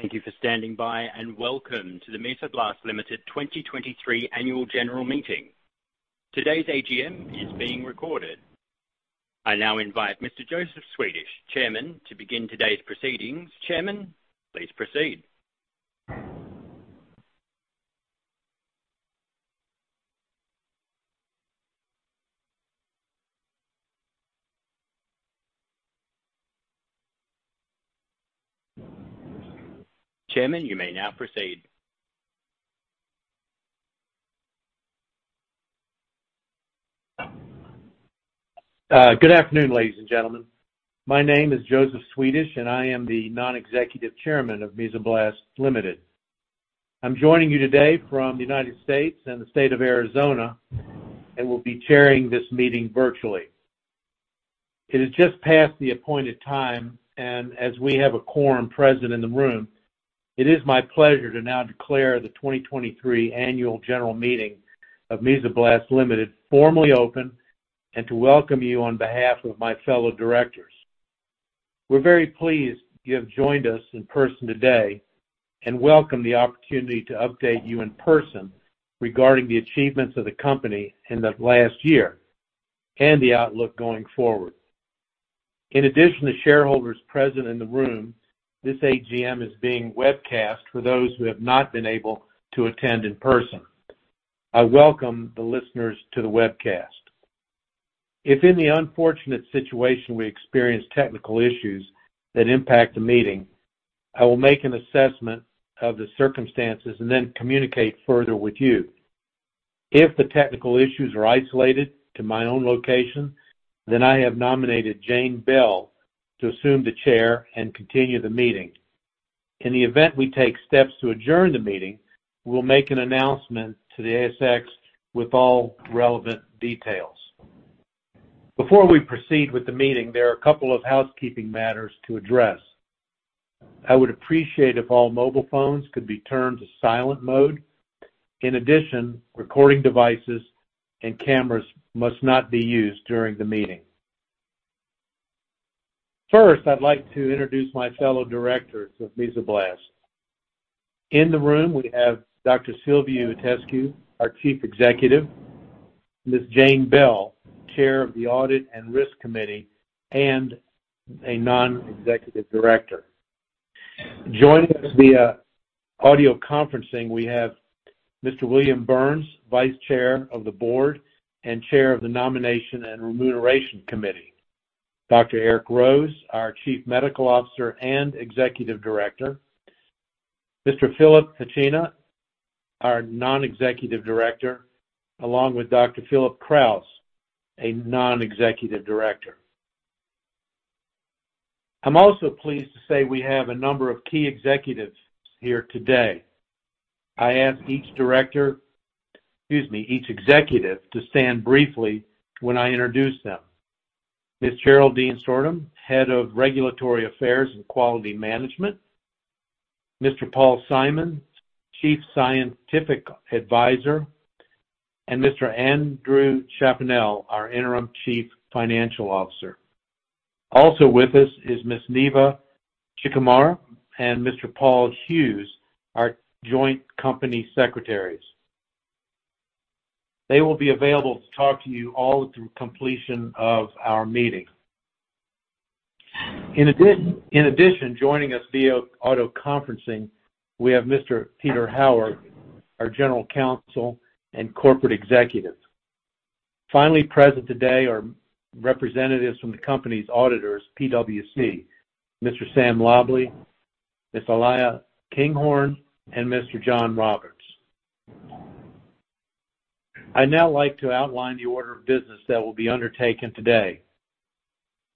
Thank you for standing by, and welcome to the Mesoblast Limited 2023 annual general meeting. Today's AGM is being recorded. I now invite Mr. Joseph Swedish, Chairman, to begin today's proceedings. Chairman, please proceed. Chairman, you may now proceed. Good afternoon, ladies and gentlemen. My name is Joseph Swedish, and I am the Non-Executive Chairman of Mesoblast Limited. I'm joining you today from the United States and the state of Arizona, and will be chairing this meeting virtually. It is just past the appointed time, and as we have a quorum present in the room, it is my pleasure to now declare the 2023 Annual General Meeting of Mesoblast Limited formally open, and to welcome you on behalf of my fellow Directors. We're very pleased you have joined us in person today, and welcome the opportunity to update you in person regarding the achievements of the company in the last year and the outlook going forward. In addition to shareholders present in the room, this AGM is being webcast for those who have not been able to attend in person. I welcome the listeners to the webcast. If in the unfortunate situation we experience technical issues that impact the meeting, I will make an assessment of the circumstances and then communicate further with you. If the technical issues are isolated to my own location, then I have nominated Jane Bell to assume the Chair and continue the meeting. In the event we take steps to adjourn the meeting, we'll make an announcement to the ASX with all relevant details. Before we proceed with the meeting, there are a couple of housekeeping matters to address. I would appreciate if all mobile phones could be turned to silent mode. In addition, recording devices and cameras must not be used during the meeting. First, I'd like to introduce my fellow Directors of Mesoblast. In the room, we have Dr. Silviu Itescu, our Chief Executive, Ms. Jane Bell, Chair of the Audit and Risk Committee, and a Non-Executive Director. Joining us via audio conferencing, we have Mr. William Burns, vice chair of the board and chair of the Nomination and Remuneration Committee; Dr. Eric Rose, our Chief Medical Officer and Executive Director; Mr. Philip Facchina, non-Executive Director, along with Dr. Philip Krause, non-Executive Director. i'm also pleased to say we have a number of keyExecutives here today. I ask each Director, excuse me, each Executive, to stand briefly when I introduce them. Ms. Geraldine Storton, head of Regulatory Affairs and Quality Management, Mr. Paul Simmons, Chief Scientific Advisor, and Mr. Andrew Chaponnel, our Interim Chief Financial Officer. Also with us is Ms. Neva Cichy and Mr. Paul Hughes, our joint company secretaries. They will be available to talk to you all through completion of our meeting. In addition, joining us via audio conferencing, we have Mr. Peter Howard, our General Counsel and Corporate Executive. Finally, present today are representatives from the company's auditors, PwC, Mr. Sam Lobley, Ms. Elia Kinghorn, and Mr. John Roberts. I'd now like to outline the order of business that will be undertaken today.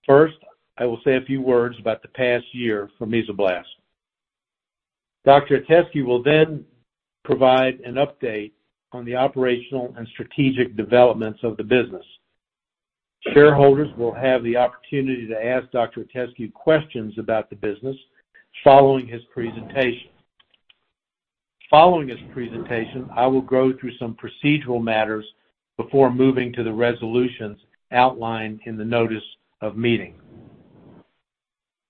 First, I will say a few words about the past year for Mesoblast. Dr. Itescu will then provide an update on the operational and strategic developments of the business. Shareholders will have the opportunity to ask Dr. Itescu questions about the business following his presentation. Following his presentation, I will go through some procedural matters before moving to the resolutions outlined in the notice of meeting.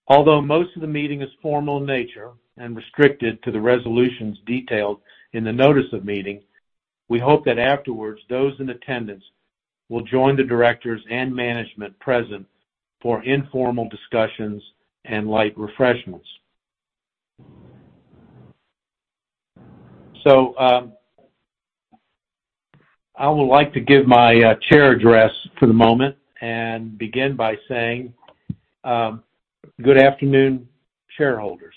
Although most of the meeting is formal in nature and restricted to the resolutions detailed in the notice of meeting, we hope that afterwards, those in attendance will join the Directors and management present for informal discussions and light refreshments. So, I would like to give my chair address for the moment and begin by saying, good afternoon, shareholders.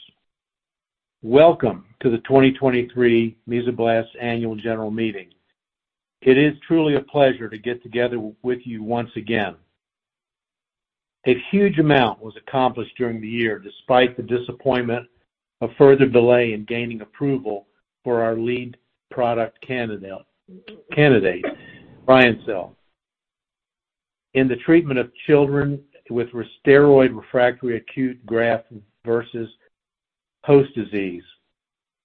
Welcome to the 2023 Mesoblast Annual General Meeting. It is truly a pleasure to get together with you once again. A huge amount was accomplished during the year, despite the disappointment of further delay in gaining approval for our lead product candidate, Ryoncil, in the treatment of children with steroid-refractory acute graft versus host disease,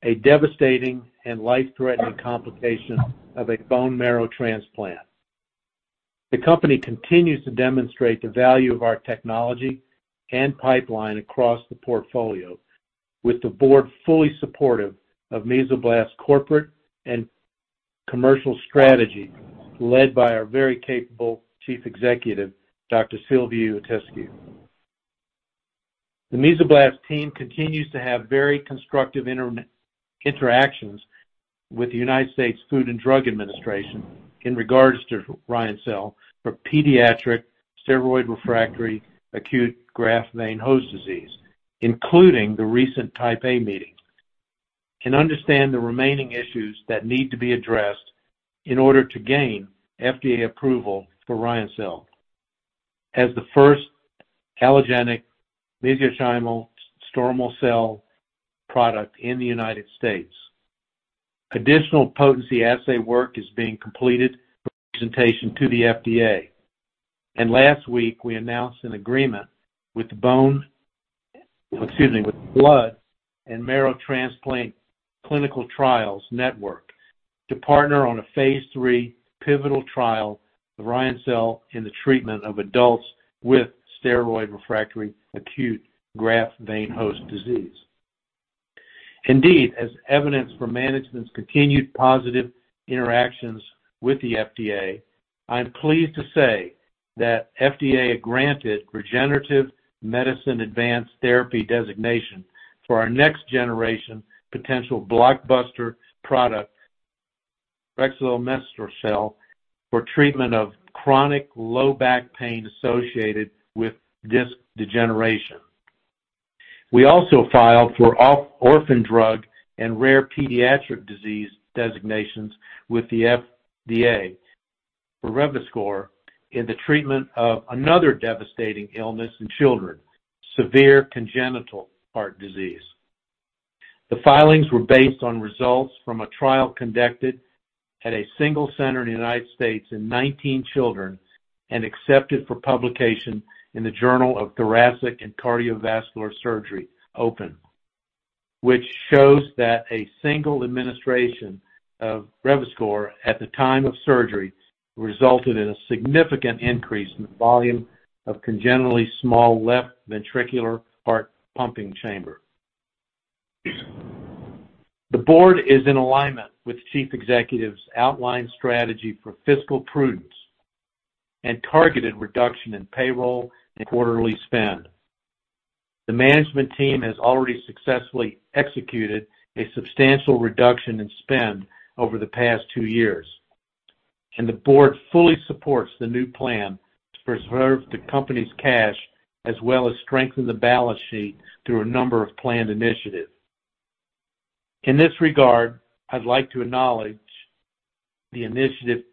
a devastating and life-threatening complication of a bone marrow transplant.. The company continues to demonstrate the value of our technology and pipeline across the portfolio, with the board fully supportive of Mesoblast's Corporate and Commercial strategy, led by our very capable Chief Executive, Dr. Silviu Itescu. The Mesoblast team continues to have very constructive interactions with the United States Food and Drug Administration in regards to Ryoncil for pediatric steroid-refractory acute graft versus host disease, including the recent Type A meeting, and understand the remaining issues that need to be addressed in order to gain FDA approval for Ryoncil. As the first allogeneic mesenchymal stromal cell product in the United States, additional potency assay work is being completed for presentation to the FDA. Last week, we announced an agreement with the Blood and Marrow Transplant Clinical Trials Network to partner on a phase three pivotal trial of Ryoncil in the treatment of adults with steroid-refractory acute graft versus host disease. Indeed, as evidence for management's continued positive interactions with the FDA, I'm pleased to say that FDA granted Regenerative Medicine Advanced Therapy designation for our next generation potential blockbuster product, rexlemestrocel-L, for treatment of chronic low back pain associated with disc degeneration. We also filed for orphan drug and rare pediatric disease designations with the FDA for Revascor in the treatment of another devastating illness in children, severe congenital heart disease. The filings were based on results from a trial conducted at a single center in the United States in 19 children, and accepted for publication in the Journal of Thoracic and Cardiovascular Surgery, Open, which shows that a single administration of Revascor at the time of surgery, resulted in a significant increase in the volume of congenitally small left ventricular heart pumping chamber. The board is in alignment with Chief Executive's outline strategy for fiscal prudence and targeted reduction in payroll and quarterly spend. The management team has already successfully executed a substantial reduction in spend over the past two years, and the board fully supports the new plan to preserve the company's cash, as well as strengthen the balance sheet through a number of planned initiatives. In this regard, I'd like to acknowledge the initiative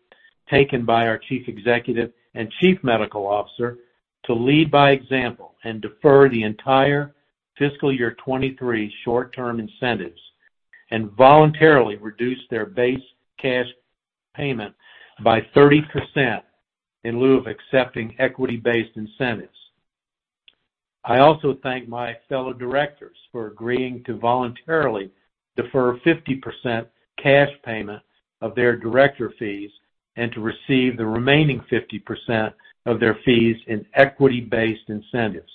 taken by our Chief Executive and Chief Medical Officer to lead by example, and defer the entire fiscal year 2023 short-term incentives, and voluntarily reduce their base cash payment by 30% in lieu of accepting equity-based incentives. I also thank my fellow Directors for agreeing to voluntarily defer 50% cash payment of their Director fees, and to receive the remaining 50% of their fees in equity-based incentives.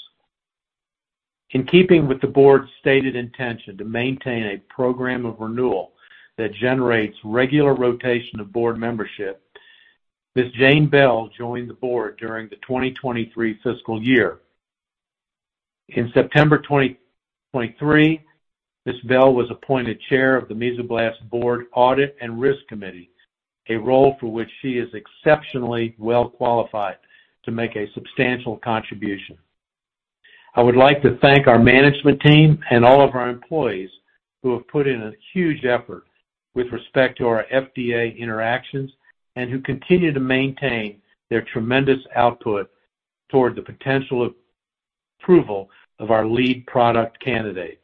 In keeping with the board's stated intention to maintain a program of renewal that generates regular rotation of board membership, Ms. Jane Bell joined the board during the 2023 fiscal year. In September 2023, Ms. Bell was appointed chair of the Mesoblast Board Audit and Risk Committee, a role for which she is exceptionally well qualified to make a substantial contribution. I would like to thank our management team and all of our employees, who have put in a huge effort with respect to our FDA interactions, and who continue to maintain their tremendous output toward the potential approval of our lead product candidate.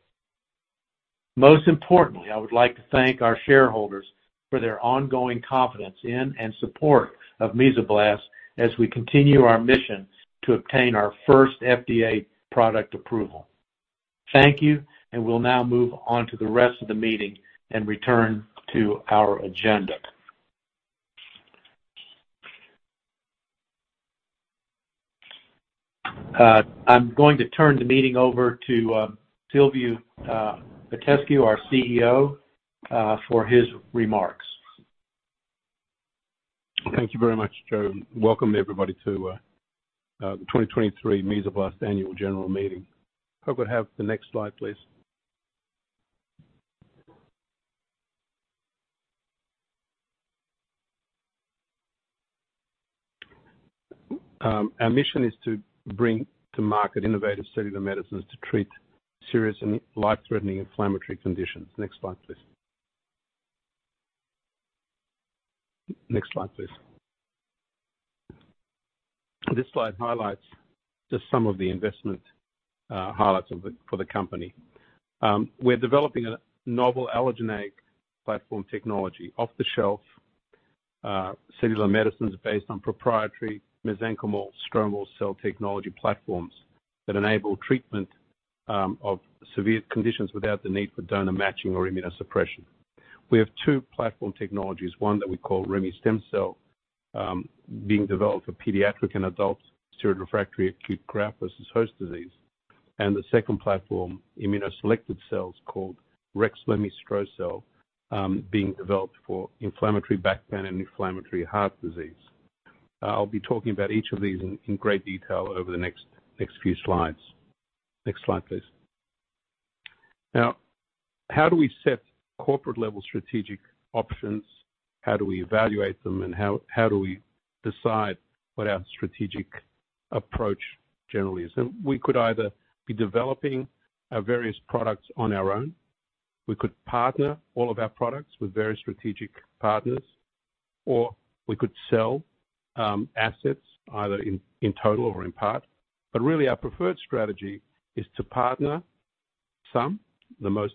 Most importantly, I would like to thank our shareholders for their ongoing confidence in and support of Mesoblast as we continue our mission to obtain our first FDA product approval. Thank you, and we'll now move on to the rest of the meeting and return to our agenda. I'm going to turn the meeting over to Silviu Itescu, our CEO, for his remarks. Thank you very much, Joe. Welcome, everybody, to the 2023 Mesoblast annual general meeting. Hope I have the next slide, please. Our mission is to bring to market innovative cellular medicines to treat serious and life-threatening inflammatory conditions. Next slide, please. Next slide, please. This slide highlights just some of the investment highlights for the company. We're developing a novel allogeneic platform technology, off-the-shelf cellular medicines based on proprietary mesenchymal stromal cell technology platforms, that enable treatment of severe conditions without the need for donor matching or immunosuppression. We have two platform technologies, one that we call remestemcel-L being developed for pediatric and adult steroid refractory acute graft versus host disease. And the second platform, immunoselective cells, called rexlemestrocel-L being developed for inflammatory back pain and inflammatory heart disease. I'll be talking about each of these in great detail over the next few slides. Next slide, please. Now, how do we set corporate-level strategic options? How do we evaluate them, and how do we decide what our strategic approach generally is? We could either be developing our various products on our own, we could partner all of our products with various strategic partners, or we could sell assets either in total or in part. But really, our preferred strategy is to partner some, the most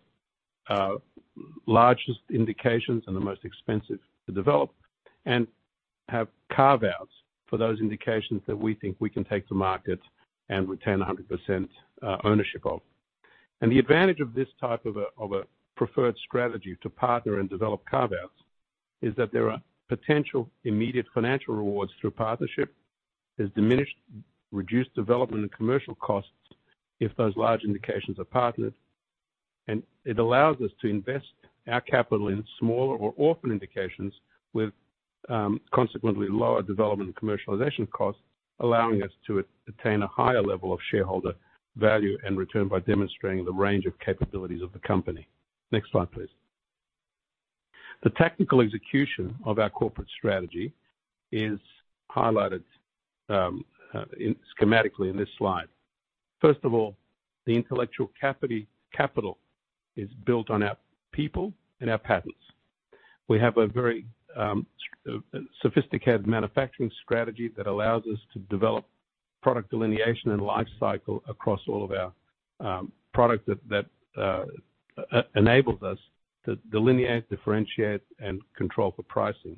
largest indications and the most expensive to develop, and have carve-outs for those indications that we think we can take to market and retain 100% ownership of. The advantage of this type of preferred strategy to partner and develop carve-outs is that there are potential immediate financial rewards through partnership. There's diminished, reduced development and commercial costs if those large indications are partnered, and it allows us to invest our capital in smaller or orphan indications with consequently lower development and commercialization costs, allowing us to attain a higher level of shareholder value and return by demonstrating the range of capabilities of the company. Next slide, please. The technical execution of our corporate strategy is highlighted schematically in this slide. First of all, the intellectual capital is built on our people and our patents. We have a very sophisticated manufacturing strategy that allows us to develop product delineation and lifecycle across all of our product that enables us to delineate, differentiate, and control for pricing.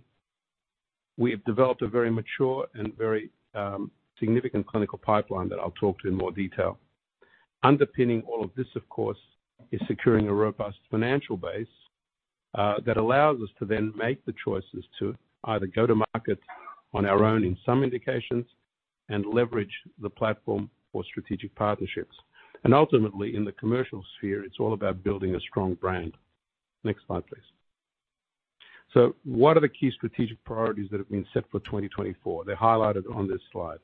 We have developed a very mature and very significant clinical pipeline that I'll talk to in more detail. Underpinning all of this, of course, is securing a robust financial base that allows us to then make the choices to either go to market on our own in some indications and leverage the platform for strategic partnerships. And ultimately, in the commercial sphere, it's all about building a strong brand. Next slide, please. So what are the key strategic priorities that have been set for 2024? They're highlighted on this slide.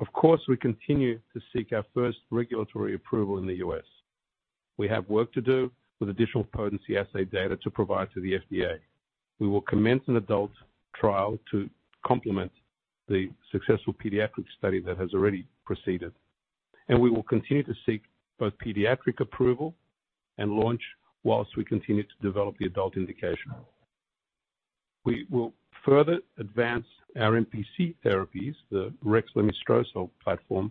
Of course, we continue to seek our first regulatory approval in the U.S. We have work to do with additional potency assay data to provide to the FDA. We will commence an adult trial to complement the successful pediatric study that has already proceeded, and we will continue to seek both pediatric approval and launch, while we continue to develop the adult indication. We will further advance our MSC therapies, the rexlemestrocel-L platform,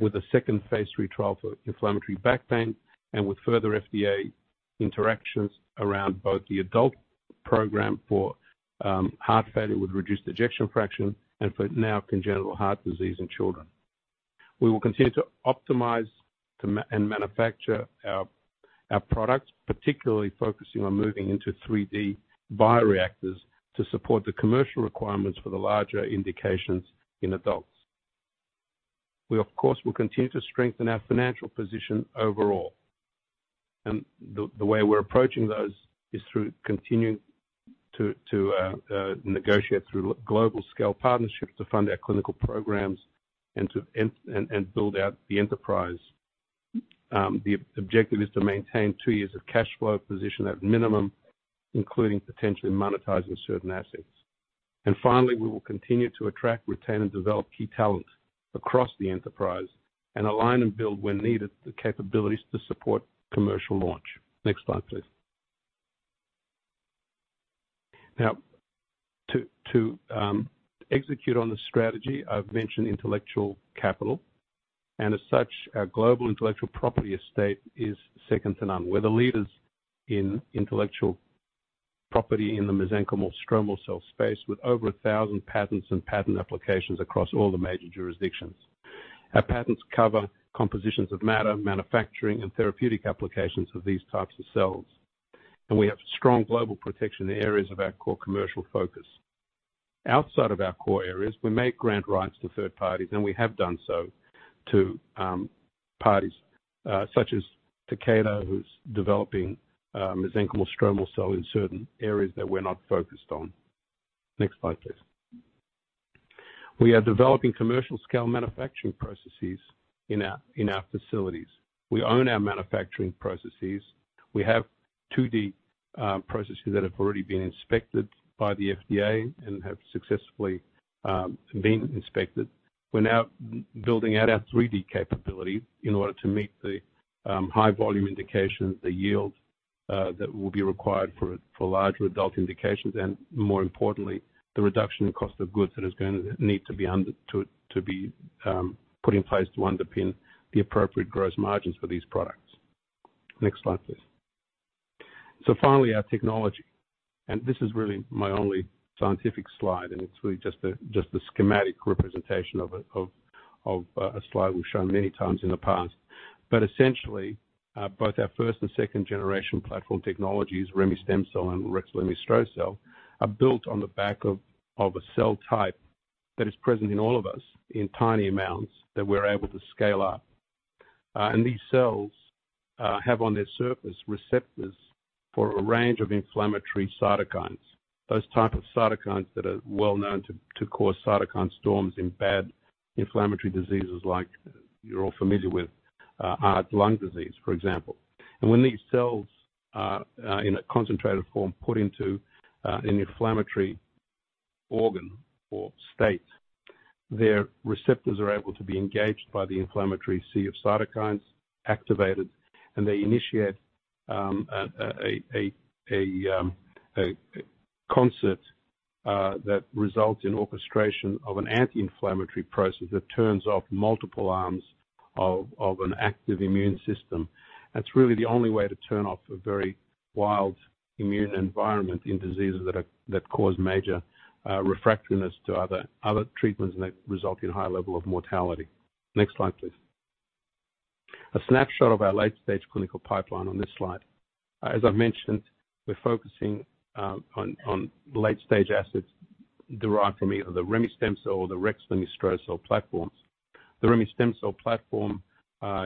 with a second phase lll trial for inflammatory back pain, and with further FDA interactions around both the adult program for heart failure with reduced ejection fraction and for now, congenital heart disease in children. We will continue to optimize and manufacture our products, particularly focusing on moving into 3D bioreactors, to support the commercial requirements for the larger indications in adults. We, of course, will continue to strengthen our financial position overall, and the way we're approaching those is through continuing to negotiate through global scale partnerships to fund our clinical programs and to build out the enterprise. The objective is to maintain two years of cash flow position at minimum, including potentially monetizing certain assets. And finally, we will continue to attract, retain, and develop key talent across the enterprise and align and build, when needed, the capabilities to support commercial launch. Next slide, please. Now, to execute on the strategy, I've mentioned intellectual capital, and as such, our global intellectual property estate is second to none. We're the leaders in intellectual property in the mesenchymal stromal cell space, with over 1,000 patents and patent applications across all the major jurisdictions. Our patents cover compositions of matter, manufacturing, and therapeutic applications of these types of cells, and we have strong global protection in the areas of our core commercial focus. Outside of our core areas, we may grant rights to third parties, and we have done so to parties such as Takeda, who's developing mesenchymal stromal cell in certain areas that we're not focused on. Next slide, please. We are developing commercial-scale manufacturing processes in our facilities. We own our manufacturing processes. We have 2D processes that have already been inspected by the FDA and have successfully been inspected. We're now building out our 3D capability in order to meet the high volume indications, the yield that will be required for larger adult indications, and more importantly, the reduction in cost of goods that is going to need to be put in place to underpin the appropriate gross margins for these products. Next slide, please. So finally, our technology. This is really my only scientific slide, and it's really just a schematic representation of a slide we've shown many times in the past. But essentially, both our first and second generation platform technologies, remestemcel-L and rexlemestrocel-L, are built on the back of a cell type that is present in all of us in tiny amounts, that we're able to scale up. And these cells have on their surface receptors for a range of inflammatory cytokines, those type of cytokines that are well known to to cause cytokine storms in bad inflammatory diseases like you're all familiar with, adult lung disease, for example. And when these cells are are in a concentrated form, put into an inflammatory organ or state, their receptors are able to be engaged by the inflammatory sea of cytokines, activated, and they initiate a concept that results in orchestration of an anti-inflammatory process that turns off multiple arms of of an active immune system. That's really the only way to turn off a very wild immune environment in diseases that cause major refractoriness to other other treatments and that result in high level of mortality. Next slide, please. A snapshot of our late-stage clinical pipeline on this slide. As I've mentioned, we're focusing on late-stage assets derived from either the remestemcel-L or the rexlemestrocel-L platforms. The remestemcel-L platform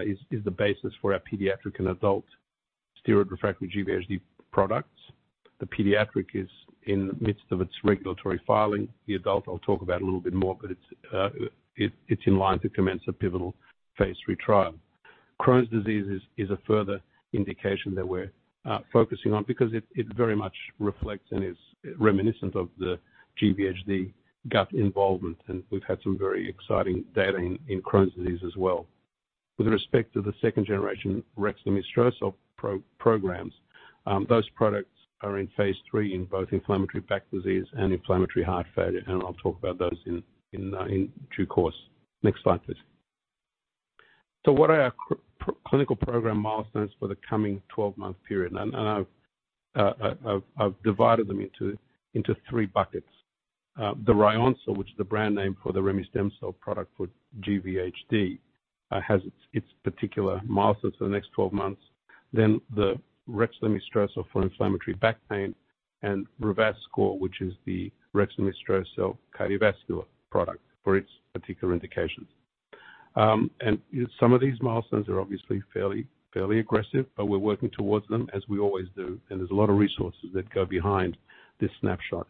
is the basis for our pediatric and adult steroid-refractory GVHD products. The pediatric is in the midst of its regulatory filing. The adult, I'll talk about a little bit more, but it's in line to commence a pivotal phase lll trial. Crohn's disease is a further indication that we're focusing on, because it very much reflects and is reminiscent of the GVHD gut involvement, and we've had some very exciting data in Crohn's disease as well. With respect to the second generation rexlemestrocel-L programs, those products are in phase lll in both inflammatory back disease and inflammatory heart failure, and I'll talk about those in due course. Next slide, please. So what are our clinical program milestones for the coming 12-month period? And I've divided them into three buckets. The Ryoncil, which is the brand name for the remestemcel-L product for GVHD, has its particular milestones for the next 12 months. Then the rexlemestrocel-L for inflammatory back pain, and Revascor, which is the rexlemestrocel-L cardiovascular product for its particular indications. And some of these milestones are obviously fairly aggressive, but we're working towards them, as we always do, and there's a lot of resources that go behind this snapshot.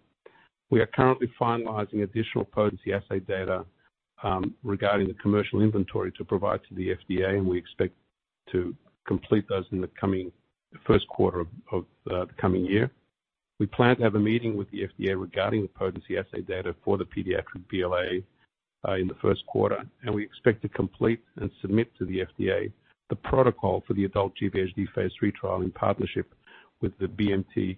We are currently finalizing additional potency assay data, regarding the commercial inventory to provide to the FDA, and we expect to complete those in the first quarter of the coming year. We plan to have a meeting with the FDA regarding the potency assay data for the pediatric BLA, in the first quarter, and we expect to complete and submit to the FDA the protocol for the adult GVHD phase lll trial in partnership with the BMT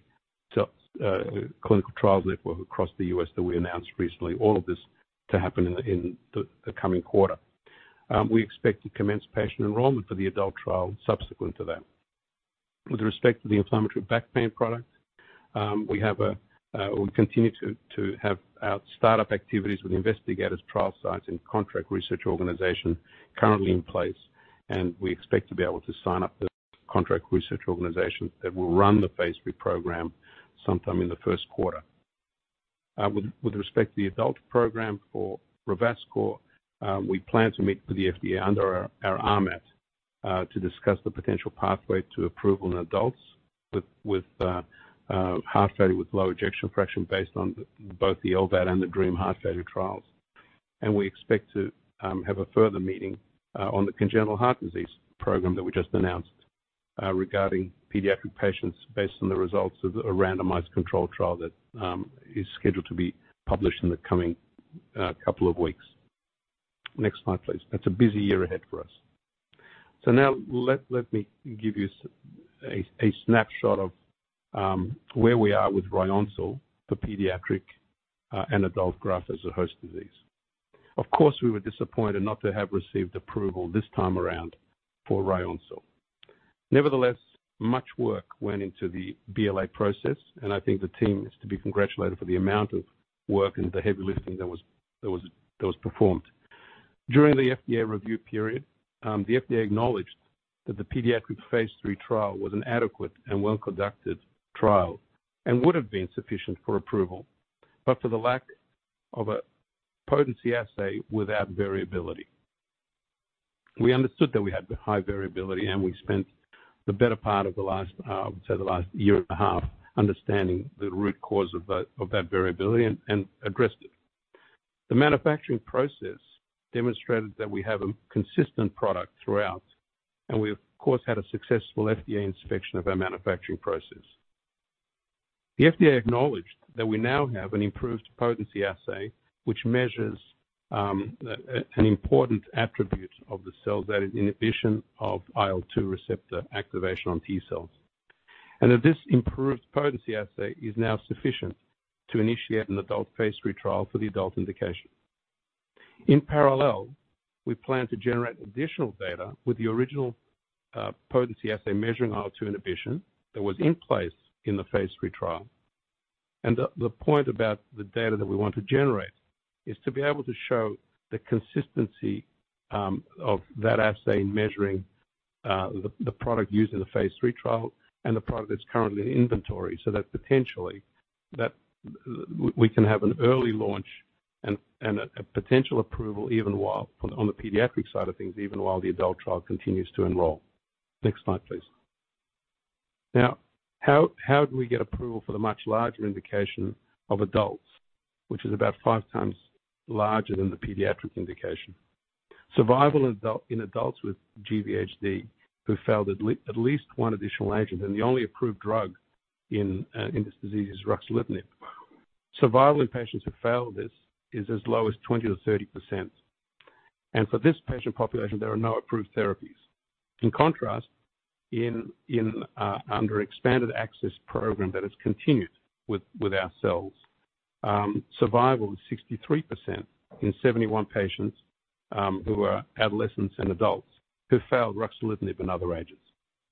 Clinical Trials Network across the U.S. that we announced recently, all of this to happen in the coming quarter. We expect to commence patient enrollment for the adult trial subsequent to that. With respect to the inflammatory back pain product, we continue to have our start-up activities with investigators, trial sites, and contract research organization currently in place, and we expect to be able to sign up the contract research organization that will run the phase III program sometime in the first quarter. With respect to the adult program for Revascor, we plan to meet with the FDA under our RMAT to discuss the potential pathway to approval in adults with heart failure with low ejection fraction, based on both the LVAD and the DREAM Heart Failure trials. We expect to have a further meeting on the congenital heart disease program that we just announced regarding pediatric patients, based on the results of a randomized controlled trial that is scheduled to be published in the coming couple of weeks. Next slide, please. That's a busy year ahead for us. Now let me give you a snapshot of where we are with Ryoncil, the pediatric and adult graft versus host disease. Of course, we were disappointed not to have received approval this time around for Ryoncil. Nevertheless, much work went into the BLA process, and I think the team is to be congratulated for the amount of work and the heavy lifting that was performed. During the FDA review period, the FDA acknowledged that the pediatric phase lll trial was an adequate and well-conducted trial and would have been sufficient for approval, but for the lack of a potency assay without variability. We understood that we had high variability, and we spent the better part of the last year and a half, understanding the root cause of that variability and addressed it. The manufacturing process demonstrated that we have a consistent product throughout, and we, of course, had a successful FDA inspection of our manufacturing process. The FDA acknowledged that we now have an improved potency assay, which measures an important attribute of the cells, that is, inhibition of IL-2 receptor activation on T-cells, and that this improved potency assay is now sufficient to initiate an adult phase lll trial for the adult indication. In parallel, we plan to generate additional data with the original potency assay, measuring IL-2 inhibition that was in place in the phase lll trial. The point about the data that we want to generate is to be able to show the consistency of that assay in measuring the product used in the phase lll trial and the product that's currently in inventory. So that potentially, we can have an early launch and a potential approval even while, on the pediatric side of things, even while the adult trial continues to enroll. Next slide, please. Now, how do we get approval for the much larger indication of adults, which is about five times larger than the pediatric indication? Survival in adult, in adults with GVHD, who failed at least one additional agent, and the only approved drug in this disease is ruxolitinib. Survival in patients who fail this is as low as 20%-30%, and for this patient population, there are no approved therapies. In contrast, under expanded access program that has continued with our cells, survival is 63% in 71 patients, who are adolescents and adults, who failed ruxolitinib and other agents.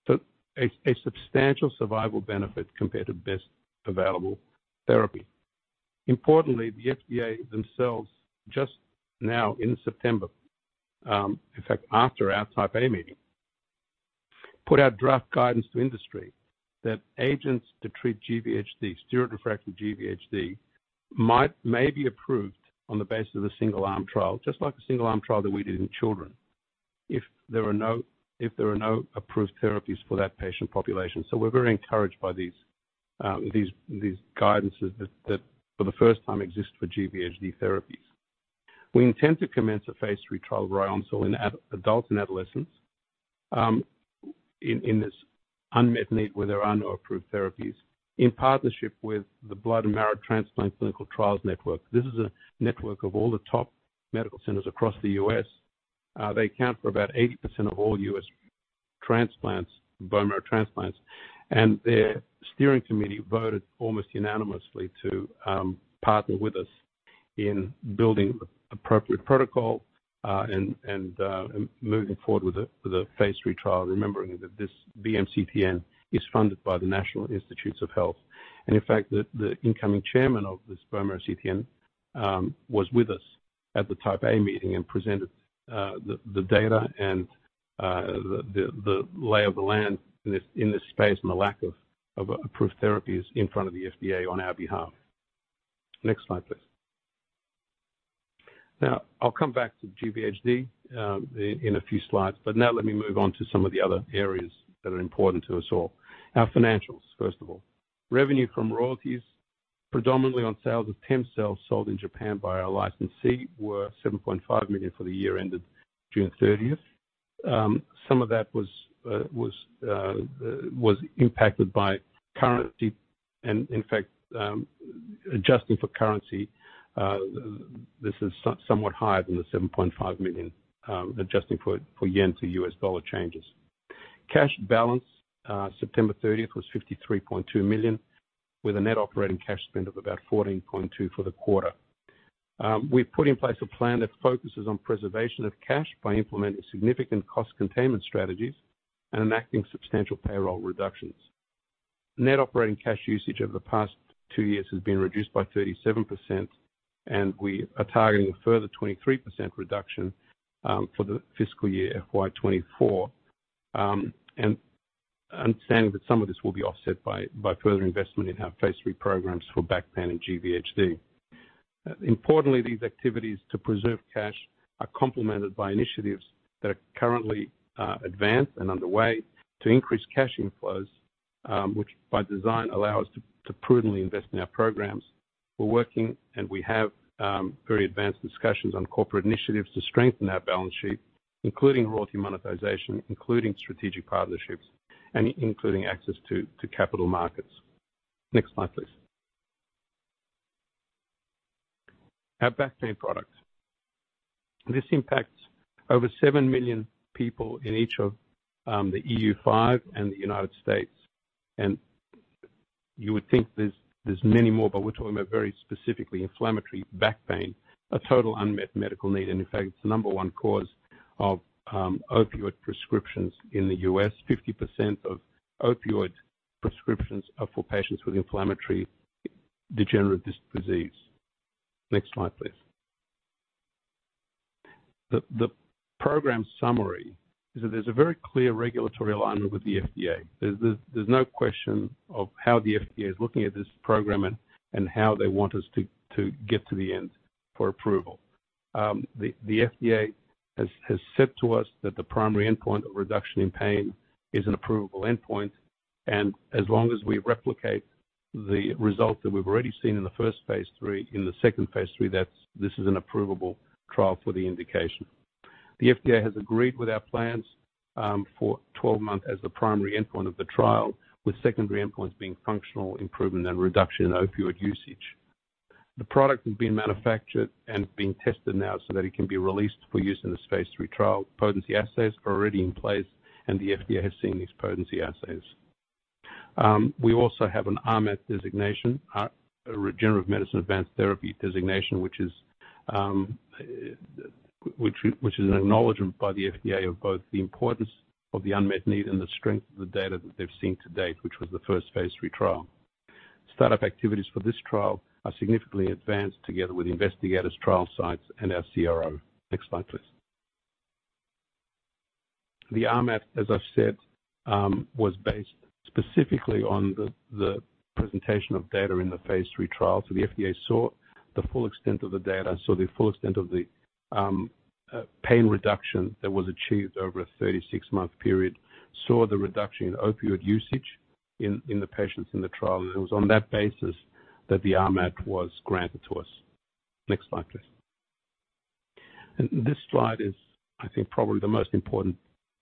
So a substantial survival benefit compared to best available therapy. Importantly, the FDA themselves, just now in September, in fact, after our Type A meeting, put out draft guidance to industry that agents to treat GVHD, steroid-refractory GVHD, may be approved on the basis of a single-arm trial, just like the single-arm trial that we did in children, if there are no, if there are no approved therapies for that patient population. So we're very encouraged by these, these guidances that, that for the first time, exist for GVHD therapies. We intend to commence a phase three trial of Ryoncil in adults and adolescents, in, in this unmet need, where there are no approved therapies, in partnership with the Blood and Marrow Transplant Clinical Trials Network. This is a network of all the top medical centers across the US. They account for about 80% of all U.S. transplants, bone marrow transplants, and their steering committee voted almost unanimously to partner with us in building appropriate protocol and moving forward with the phase lll trial, remembering that this BMT CTN is funded by the National Institutes of Health. In fact, the incoming chairman of this BMT CTN was with us at the Type A meeting and presented the lay of the land in this space and the lack of approved therapies in front of the FDA on our behalf. Next slide, please. Now, I'll come back to GVHD in a few slides, but now let me move on to some of the other areas that are important to us all. Our financials, first of all. Revenue from royalties, predominantly on sales of TEMCELL sold in Japan by our licensee, were $7.5 million for the year ended June 30. Some of that was impacted by currency. And in fact, adjusting for currency, this is somewhat higher than the $7.5 million, adjusting for yen to U.S. dollar changes. Cash balance, September 30, was $53.2 million, with a net operating cash spend of about $14.2 million for the quarter. We've put in place a plan that focuses on preservation of cash by implementing significant cost containment strategies and enacting substantial payroll reductions. Net operating cash usage over the past two years has been reduced by 37%, and we are targeting a further 23% reduction, for the fiscal year FY 2024. Understanding that some of this will be offset by further investment in our phase lll programs for back pain and GVHD. Importantly, these activities to preserve cash are complemented by initiatives that are currently advanced and underway to increase cash inflows, which by design allow us to prudently invest in our programs. We're working, and we have very advanced discussions on corporate initiatives to strengthen our balance sheet, including royalty monetization, including strategic partnerships, and including access to capital markets. Next slide, please. Our back pain products. This impacts over 7 million people in each of the EU5 and the United States. You would think there's many more, but we're talking about very specifically inflammatory back pain, a total unmet medical need. In fact, it's the number one cause of opioid prescriptions in the U.S. 50% of opioid prescriptions are for patients with inflammatory degenerative disease. Next slide, please. The program summary is that there's a very clear regulatory alignment with the FDA. There's no question of how the FDA is looking at this program and how they want us to get to the end for approval. The FDA has said to us that the primary endpoint of reduction in pain is an approvable endpoint, and as long as we replicate the result that we've already seen in the first phase lll, in the second phase lll, that's this is an approvable trial for the indication. The FDA has agreed with our plans for 12 months as the primary endpoint of the trial, with secondary endpoints being functional improvement and reduction in opioid usage. The product has been manufactured and is being tested now so that it can be released for use in this phase lll trial. Potency assays are already in place, and the FDA has seen these potency assays. We also have an RMAT designation, a Regenerative Medicine Advanced Therapy designation, which is an acknowledgment by the FDA of both the importance of the unmet need and the strength of the data that they've seen to date, which was the first phase lll trial. Startup activities for this trial are significantly advanced, together with investigators, trial sites, and our CRO. Next slide, please. The RMAT, as I've said, was based specifically on the presentation of data in the phase lll trial. So the FDA saw the full extent of the data, saw the full extent of the pain reduction that was achieved over a 36-month period, saw the reduction in opioid usage in the patients in the trial, and it was on that basis that the RMAT was granted to us. Next slide, please. This slide is, I think, probably the most important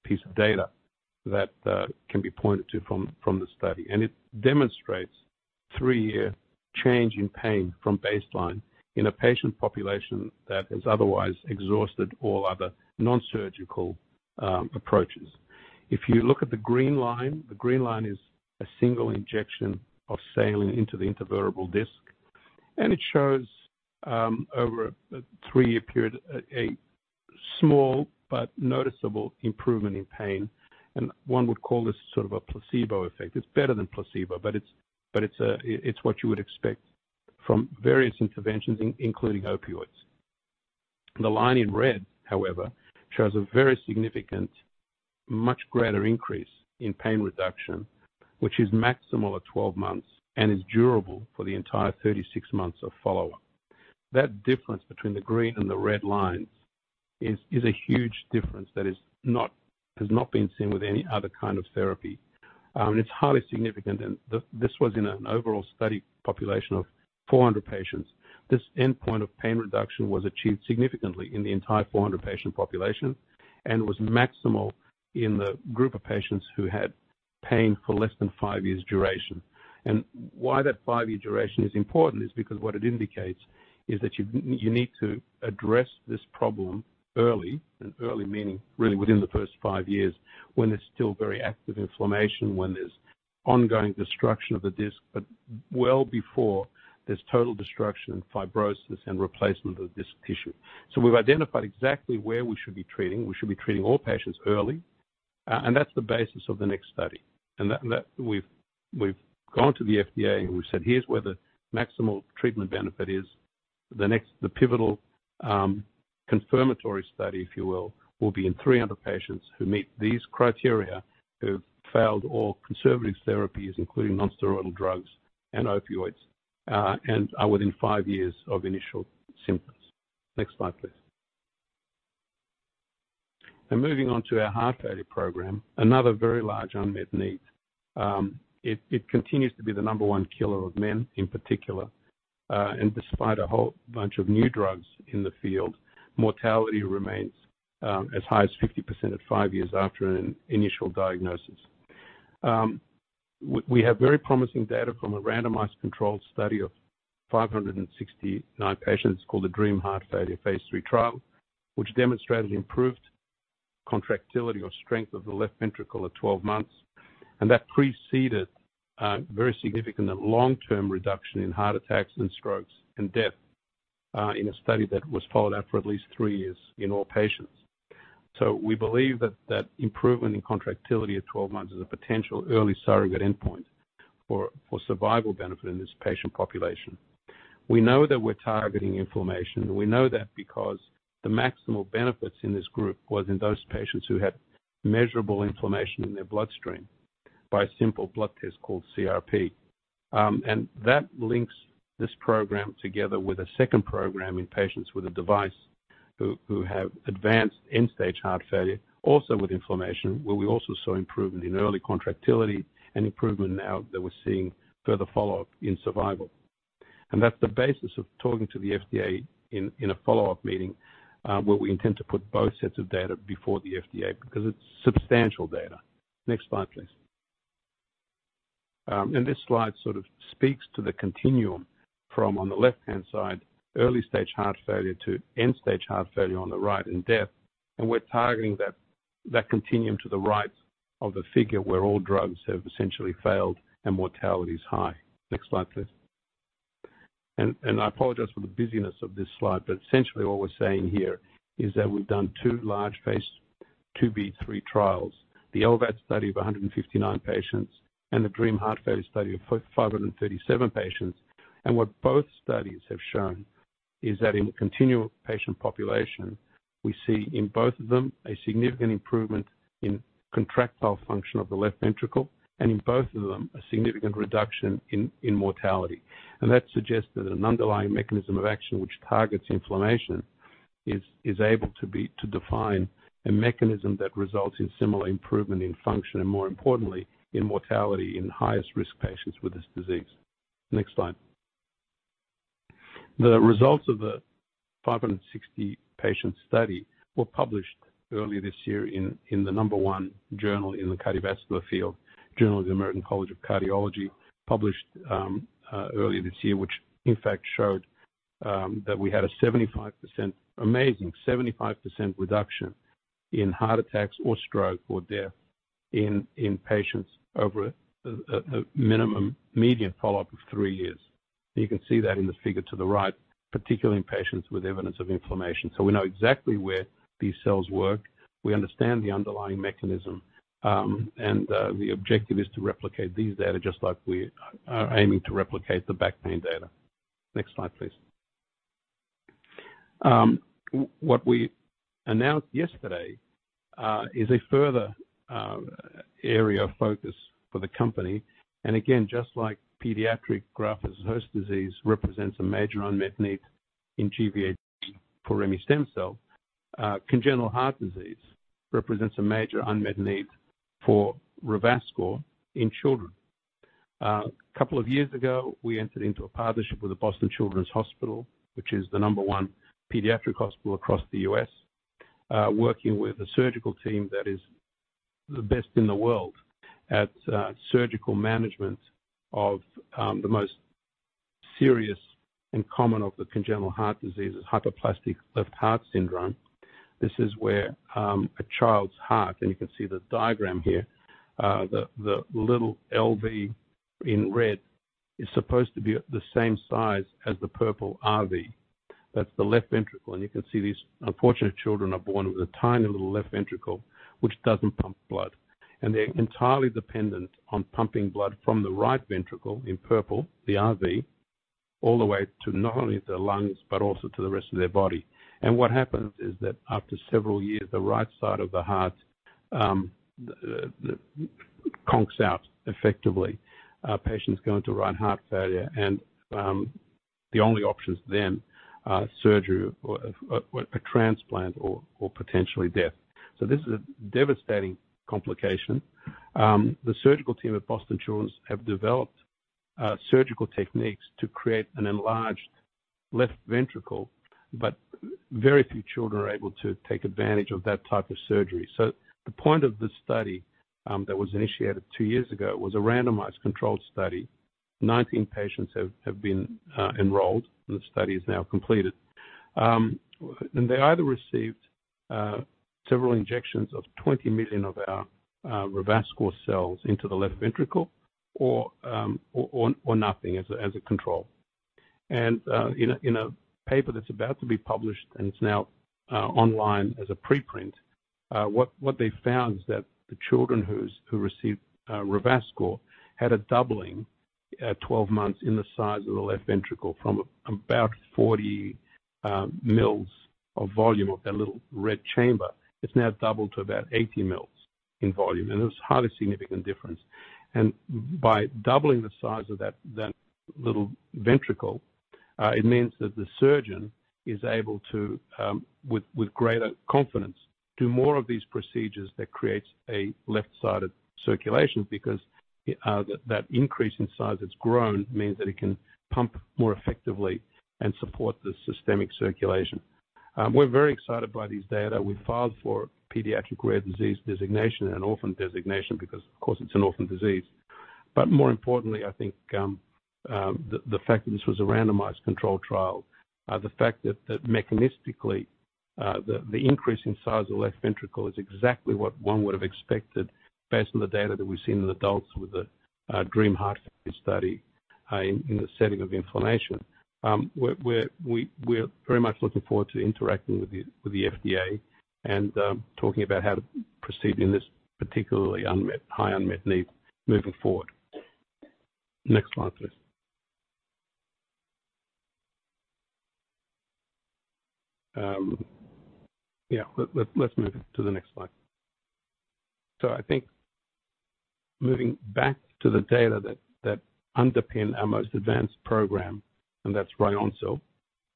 piece of data that can be pointed to from the study. It demonstrates 3-year change in pain from baseline in a patient population that has otherwise exhausted all other nonsurgical approaches. If you look at the green line, the green line is a single injection of saline into the intervertebral disc, and it shows over a 3-year period, a small but noticeable improvement in pain, and one would call this sort of a placebo effect. It's better than placebo, but it's what you would expect from various interventions, including opioids. The line in red, however, shows a very significant, much greater increase in pain reduction, which is maximal at 12 months and is durable for the entire 36 months of follow-up. That difference between the green and the red lines is a huge difference that is not, has not been seen with any other kind of therapy, and it's highly significant. This was in an overall study population of 400 patients. This endpoint of pain reduction was achieved significantly in the entire 400 patient population and was maximal in the group of patients who had pain for less than 5 years duration. Why that 5-year duration is important is because what it indicates is that you need to address this problem early, and early meaning really within the first 5 years, when there's still very active inflammation, when there's ongoing destruction of the disc, but well before there's total destruction and fibrosis and replacement of disc tissue. So we've identified exactly where we should be treating. We should be treating all patients early, and that's the basis of the next study. And that we've gone to the FDA, and we've said, "Here's where the maximal treatment benefit is." The next, the pivotal, confirmatory study, if you will, will be in 300 patients who meet these criteria, who've failed all conservative therapies, including nonsteroidal drugs and opioids, and are within 5 years of initial symptoms. Next slide, please. Moving on to our heart failure program, another very large unmet need. It continues to be the number one killer of men in particular, and despite a whole bunch of new drugs in the field, mortality remains as high as 50% at 5 years after an initial diagnosis. We have very promising data from a randomized controlled study of 569 patients, called the DREAM Heart Failure phase lll trial, which demonstrated improved contractility or strength of the left ventricle at 12 months, and that preceded very significant and long-term reduction in heart attacks and strokes and death, in a study that was followed up for at least 3 years in all patients. So we believe that that improvement in contractility at 12 months is a potential early surrogate endpoint for survival benefit in this patient population. We know that we're targeting inflammation. We know that because the maximal benefits in this group was in those patients who had measurable inflammation in their bloodstream by a simple blood test called CRP. And that links this program together with a second program in patients with a device, who have advanced end-stage heart failure, also with inflammation, where we also saw improvement in early contractility and improvement now that we're seeing further follow-up in survival. That's the basis of talking to the FDA in a follow-up meeting, where we intend to put both sets of data before the FDA, because it's substantial data. Next slide, please. This slide sort of speaks to the continuum from, on the left-hand side, early-stage heart failure to end-stage heart failure on the right, and death. We're targeting that, that continuum to the right of the figure, where all drugs have essentially failed and mortality is high. Next slide, please. I apologize for the busyness of this slide, but essentially what we're saying here is that we've done two large-phase 2B/3 trials, the LVAD study of 159 patients and the DREAM Heart Failure study of 537 patients. What both studies have shown is that in the continual patient population, we see in both of them a significant improvement in contractile function of the left ventricle, and in both of them, a significant reduction in mortality. That suggests that an underlying mechanism of action, which targets inflammation, is able to define a mechanism that results in similar improvement in function, and more importantly, in mortality in highest-risk patients with this disease. Next slide. The results of the 560-patient study were published earlier this year in the number one journal in the cardiovascular field, Journal of the American College of Cardiology, published earlier this year, which in fact showed that we had a 75%, amazing 75% reduction in heart attacks or stroke or death in patients over a minimum median follow-up of three years. You can see that in the figure to the right, particularly in patients with evidence of inflammation. So we know exactly where these cells work. We understand the underlying mechanism, and the objective is to replicate these data, just like we are aiming to replicate the back pain data. Next slide, please. What we announced yesterday is a further area of focus for the company. And again, just like pediatric graft versus host disease represents a major unmet need in GvHD for remestemcel-L, congenital heart disease represents a major unmet need for Revascor in children. A couple of years ago, we entered into a partnership with the Boston Children's Hospital, which is the number one pediatric hospital across the U.S., working with a surgical team that is the best in the world at surgical management of the most serious and common of the congenital heart diseases, hypoplastic left heart syndrome. This is where a child's heart, and you can see the diagram here, the little LV in red is supposed to be at the same size as the purple RV. That's the left ventricle, and you can see these unfortunate children are born with a tiny little left ventricle, which doesn't pump blood, and they're entirely dependent on pumping blood from the right ventricle in purple, the RV, all the way to not only their lungs but also to the rest of their body. And what happens is that after several years, the right side of the heart conks out effectively. Patients go into right heart failure, and the only options then are surgery or a transplant or potentially death. So this is a devastating complication. The surgical team at Boston Children's have developed surgical techniques to create an enlarged left ventricle, but very few children are able to take advantage of that type of surgery. So the point of the study that was initiated two years ago was a randomized controlled study. 19 patients have been enrolled, and the study is now completed. And they either received several injections of 20 million of our Revascor cells into the left ventricle or nothing as a control. In a paper that's about to be published, and it's now online as a preprint, what they found is that the children who received Revascor had a doubling at 12 months in the size of the left ventricle from about 40 ml of volume of that little red chamber. It's now doubled to about 80 ml in volume, and it was a highly significant difference. By doubling the size of that little ventricle, it means that the surgeon is able to, with greater confidence, do more of these procedures that creates a left-sided circulation. Because that increase in size it's grown, means that it can pump more effectively and support the systemic circulation. We're very excited by these data. We filed for rare pediatric disease designation and orphan designation because, of course, it's an orphan disease. But more importantly, I think, the fact that this was a randomized controlled trial, the fact that mechanistically, the increase in size of left ventricle is exactly what one would have expected based on the data that we've seen in adults with a DREAM Heart Failure study, in the setting of inflammation. We're very much looking forward to interacting with the FDA and talking about how to proceed in this particularly unmet, high unmet need moving forward. Next slide, please. Yeah, let's move to the next slide. So I think moving back to the data that that underpin our most advanced program, and that's Ryoncil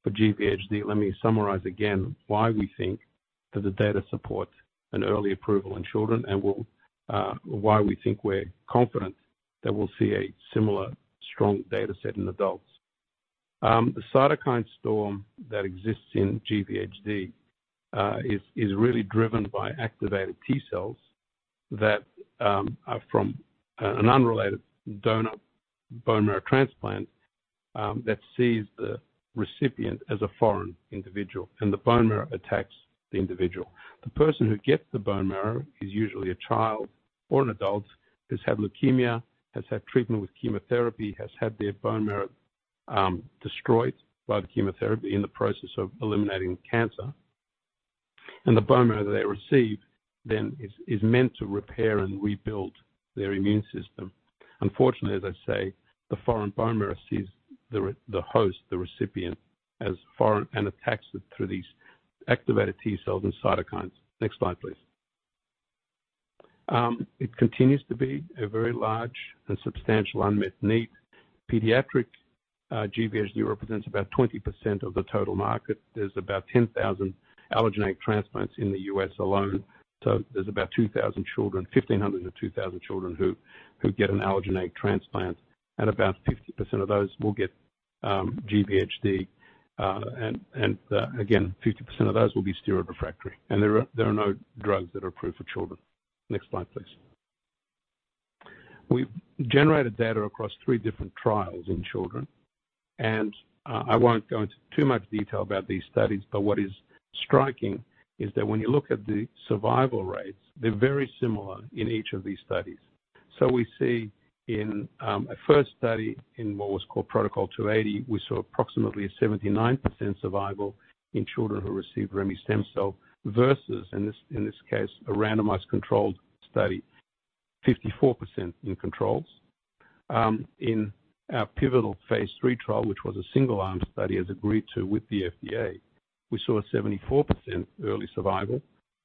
for GvHD, let me summarize again why we think that the data supports an early approval in children, and we'll why we think we're confident that we'll see a similar strong data set in adults. The cytokine storm that exists in GvHD is really driven by activated T cells that are from an unrelated donor bone marrow transplant that sees the recipient as a foreign individual, and the bone marrow attacks the individual. The person who gets the bone marrow is usually a child or an adult, has had leukemia, has had treatment with chemotherapy, has had their bone marrow destroyed by the chemotherapy in the process of eliminating cancer. The bone marrow they receive then is, is meant to repair and rebuild their immune system. Unfortunately, as I say, the foreign bone marrow sees the, the host, the recipient, as foreign and attacks it through these activated T cells and cytokines. Next slide, please. It continues to be a very large and substantial unmet need. Pediatric GvHD represents about 20% of the total market. There's about 10,000 allogeneic transplants in the U.S. alone. So there's about 2,000 children, 1,500-2,000 children who get an allogeneic transplant, and about 50% of those will get GvHD. And again, 50% of those will be steroid refractory, and there are no drugs that are approved for children. Next slide, please. We've generated data across three different trials in children, and I won't go into too much detail about these studies, but what is striking is that when you look at the survival rates, they're very similar in each of these studies. So we see in a first study, in what was called Protocol 280, we saw approximately a 79% survival in children who received remestemcel-L versus, in this case, a randomized controlled study, 54% in controls. In our pivotal phase lll trial, which was a single-arm study as agreed to with the FDA, we saw a 74% early survival.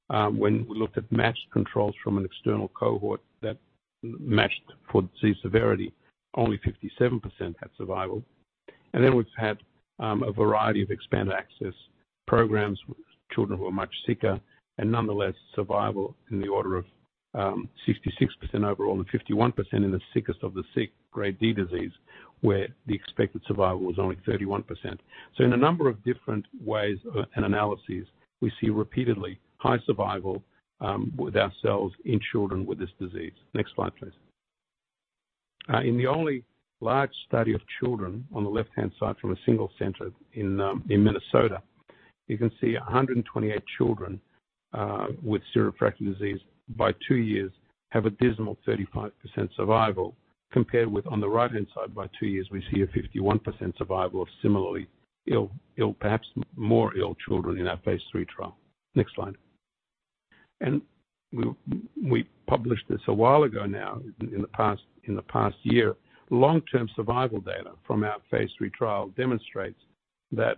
When we looked at matched controls from an external cohort that matched for disease severity, only 57% had survival. Then we've had a variety of expanded access programs, children who are much sicker and nonetheless, survival in the order of 66% overall and 51% in the sickest of the sick, grade D disease, where the expected survival was only 31%. So in a number of different ways and analyses, we see repeatedly high survival with our cells in children with this disease. Next slide, please. In the only large study of children on the left-hand side from a single center in Minnesota, you can see 128 children with steroid-refractory disease by 2 years have a dismal 35% survival, compared with on the right-hand side, by 2 years, we see a 51% survival of similarly ill, perhaps more ill children in our phase lll trial. Next slide. We published this a while ago now, in the past, in the past year. Long-term survival data from our phase lll trial demonstrates that,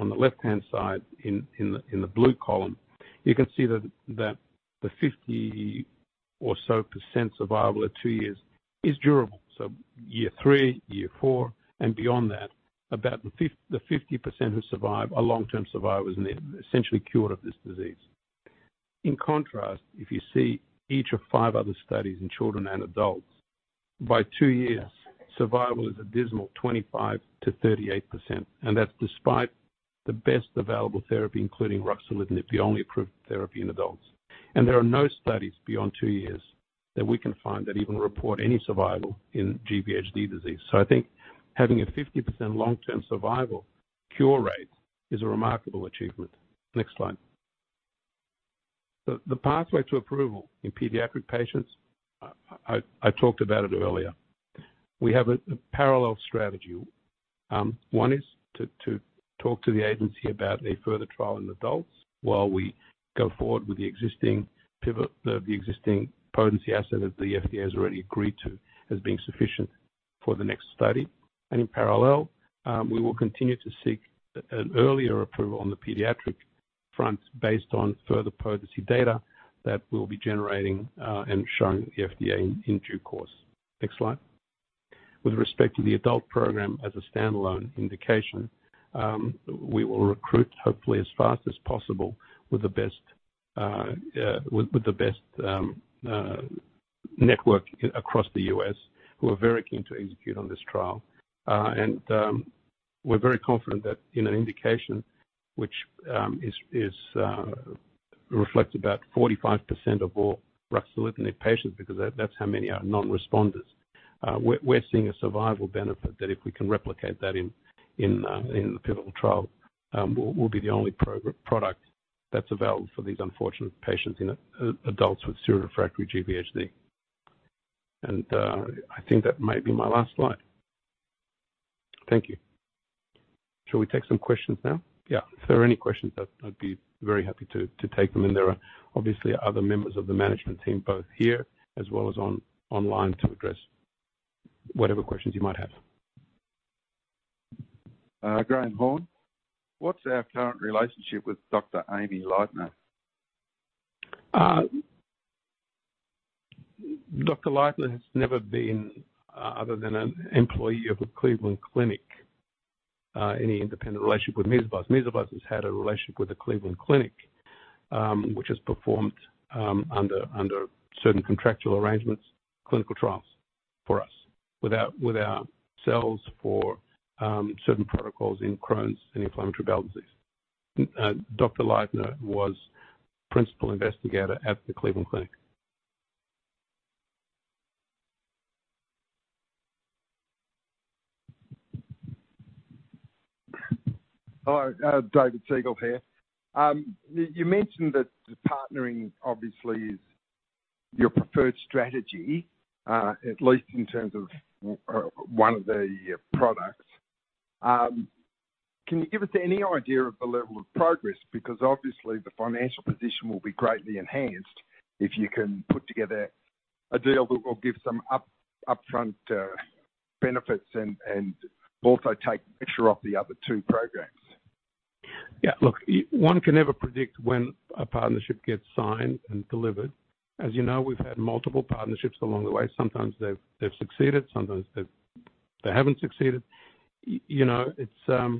on the left-hand side, in the blue column, you can see that the 50% or so survival at two years is durable. Year 3, year 4, and beyond that, about the 50% who survive are long-term survivors, and they're essentially cured of this disease. In contrast, if you see each of 5 other studies in children and adults, by two years, survival is a dismal 25%-38%, and that's despite the best available therapy, including ruxolitinib, the only approved therapy in adults. There are no studies beyond two years that we can find that even report any survival in GVHD disease. So I think having a 50% long-term survival cure rate is a remarkable achievement. Next slide. The pathway to approval in pediatric patients, I talked about it earlier. We have a parallel strategy. One is to talk to the agency about a further trial in adults while we go forward with the existing pivot, the existing potency asset that the FDA has already agreed to as being sufficient for the next study. And in parallel, we will continue to seek an earlier approval on the pediatric front based on further potency data that we'll be generating, and showing the FDA in due course. Next slide. With respect to the adult program as a standalone indication, we will recruit hopefully as fast as possible with the best network across the U.S., who are very keen to execute on this trial. And, we're very confident that in an indication which is reflects about 45% of all ruxolitinib patients, because that's how many are non-responders. We're seeing a survival benefit that if we can replicate that in the pivotal trial, we'll be the only product that's available for these unfortunate patients in adults with steroid-refractory GVHD. And, I think that might be my last slide. Thank you. Shall we take some questions now? Yeah, if there are any questions, I'd be very happy to take them, and there are obviously other members of the management team, both here as well as online to address whatever questions you might have. Graham Horne, what's our current relationship with Dr. Amy Lightner? Dr. Lightner has never been, other than an employee of the Cleveland Clinic, any independent relationship with Mesoblast. Mesoblast has had a relationship with the Cleveland Clinic, which has performed, under certain contractual arrangements, clinical trials for us, with our cells for, certain protocols in Crohn's and inflammatory bowel disease. Dr. Lightner was principal investigator at the Cleveland Clinic. Hi, David Segal here. You mentioned that partnering, obviously, is your preferred strategy, at least in terms of one of the products. Can you give us any idea of the level of progress? Because obviously the financial position will be greatly enhanced if you can put together a deal that will give some upfront benefits and also take pressure off the other two programs. Yeah. Look, one can never predict when a partnership gets signed and delivered. As you know, we've had multiple partnerships along the way. Sometimes they've succeeded, sometimes they haven't succeeded. You know, it's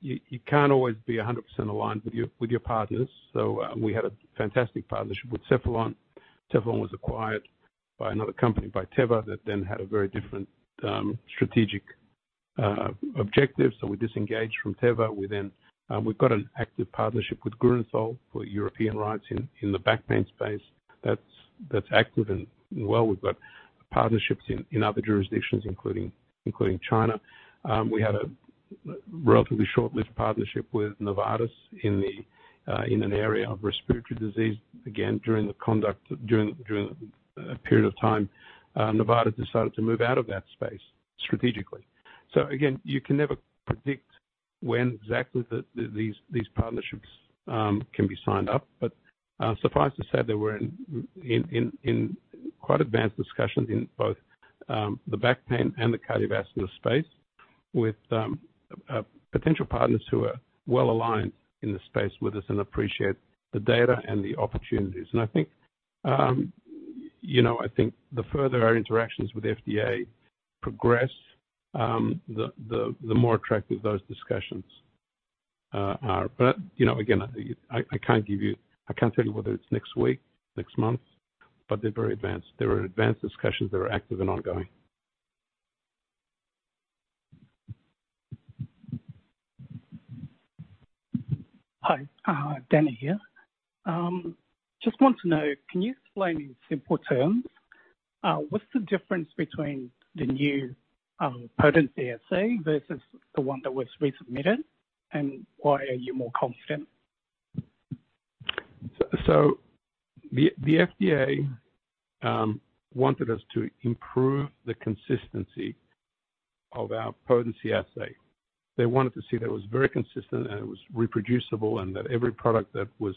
you can't always be a hundred percent aligned with your partners. So, we had a fantastic partnership with Cephalon. Cephalon was acquired by another company, by Teva, that then had a very different strategic objective, so we disengaged from Teva. We then we've got an active partnership with Grünenthal for European rights in the back pain space that's active and well. We've got partnerships in other jurisdictions, including China. We had a relatively short-lived partnership with Novartis in an area of respiratory disease. Again, during a period of time, Novartis decided to move out of that space strategically. So again, you can never predict when exactly these partnerships can be signed up. But suffice to say that we're in quite advanced discussions in both the back pain and the cardiovascular space with potential partners who are well-aligned in the space with us and appreciate the data and the opportunities. And I think, you know, I think the further our interactions with FDA progress, the more attractive those discussions are. But, you know, again, I can't give you- I can't tell you whether it's next week, next month, but they're very advanced. They're in advanced discussions that are active and ongoing. Hi, Danny here. Just want to know, can you explain in simple terms, what's the difference between the new potency assay versus the one that was resubmitted, and why are you more confident? So, the FDA wanted us to improve the consistency of our potency assay. They wanted to see that it was very consistent, and it was reproducible, and that every product that was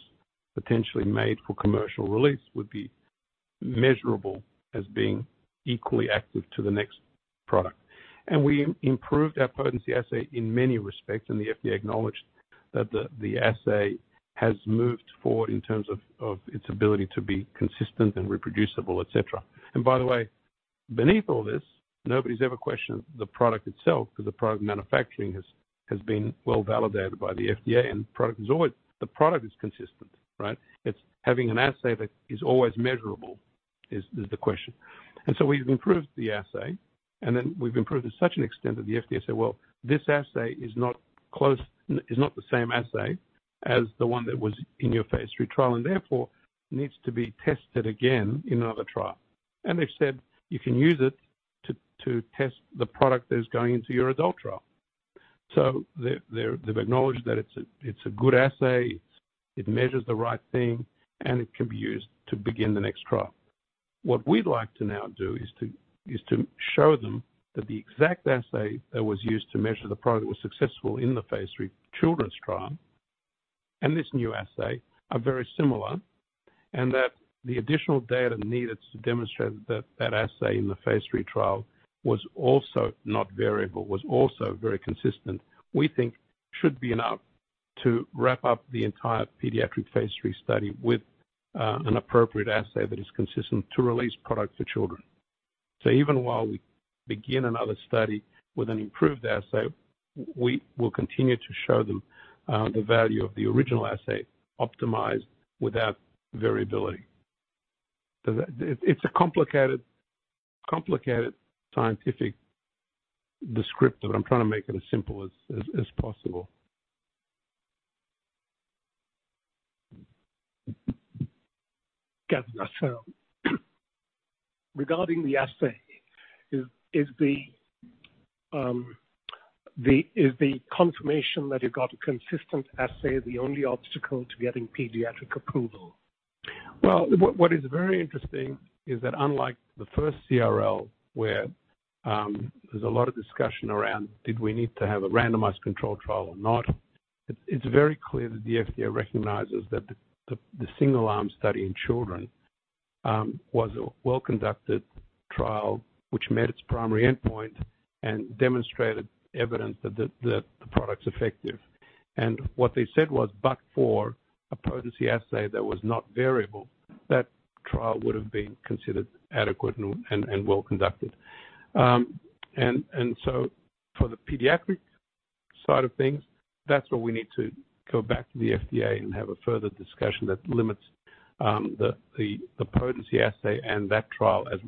potentially made for commercial release would be measurable as being equally active to the next product. And we improved our potency assay in many respects, and the FDA acknowledged that the assay has moved forward in terms of its ability to be consistent and reproducible, et cetera. And by the way, beneath all this, nobody's ever questioned the product itself, because the product manufacturing has been well-validated by the FDA, and the product is always... The product is consistent, right? It's having an assay that is always measurable, is the question. So we've improved the assay, and then we've improved it to such an extent that the FDA said, "Well, this assay is not close, is not the same assay as the one that was in your phase lll trial, and therefore needs to be tested again in another trial." And they've said, "You can use it to test the product that is going into your adult trial." So they've acknowledged that it's a good assay, it measures the right thing, and it can be used to begin the next trial. What we'd like to now do is to show them that the exact assay that was used to measure the product that was successful in the phase lll children's trial, and this new assay are very similar, and that the additional data needed to demonstrate that that assay in the phase lll trial was also not variable, was also very consistent. We think should be enough to wrap up the entire pediatric phase lll study with an appropriate assay that is consistent to release product to children. So even while we begin another study with an improved assay, we will continue to show them the value of the original assay, optimized without variability. So that it's a complicated, complicated scientific descriptor, but I'm trying to make it as simple as possible. Got it. So regarding the assay, is the confirmation that you've got a consistent assay the only obstacle to getting pediatric approval? Well, what is very interesting is that unlike the first CRL, where there's a lot of discussion around, did we need to have a randomized control trial or not? It's very clear that the FDA recognizes that the single-arm study in children was a well-conducted trial, which met its primary endpoint and demonstrated evidence that the product's effective. And what they said was, but for a potency assay that was not variable, that trial would have been considered adequate and well-conducted. And so for the pediatric side of things, that's where we need to go back to the FDA and have a further discussion that limits the potency assay and that trial as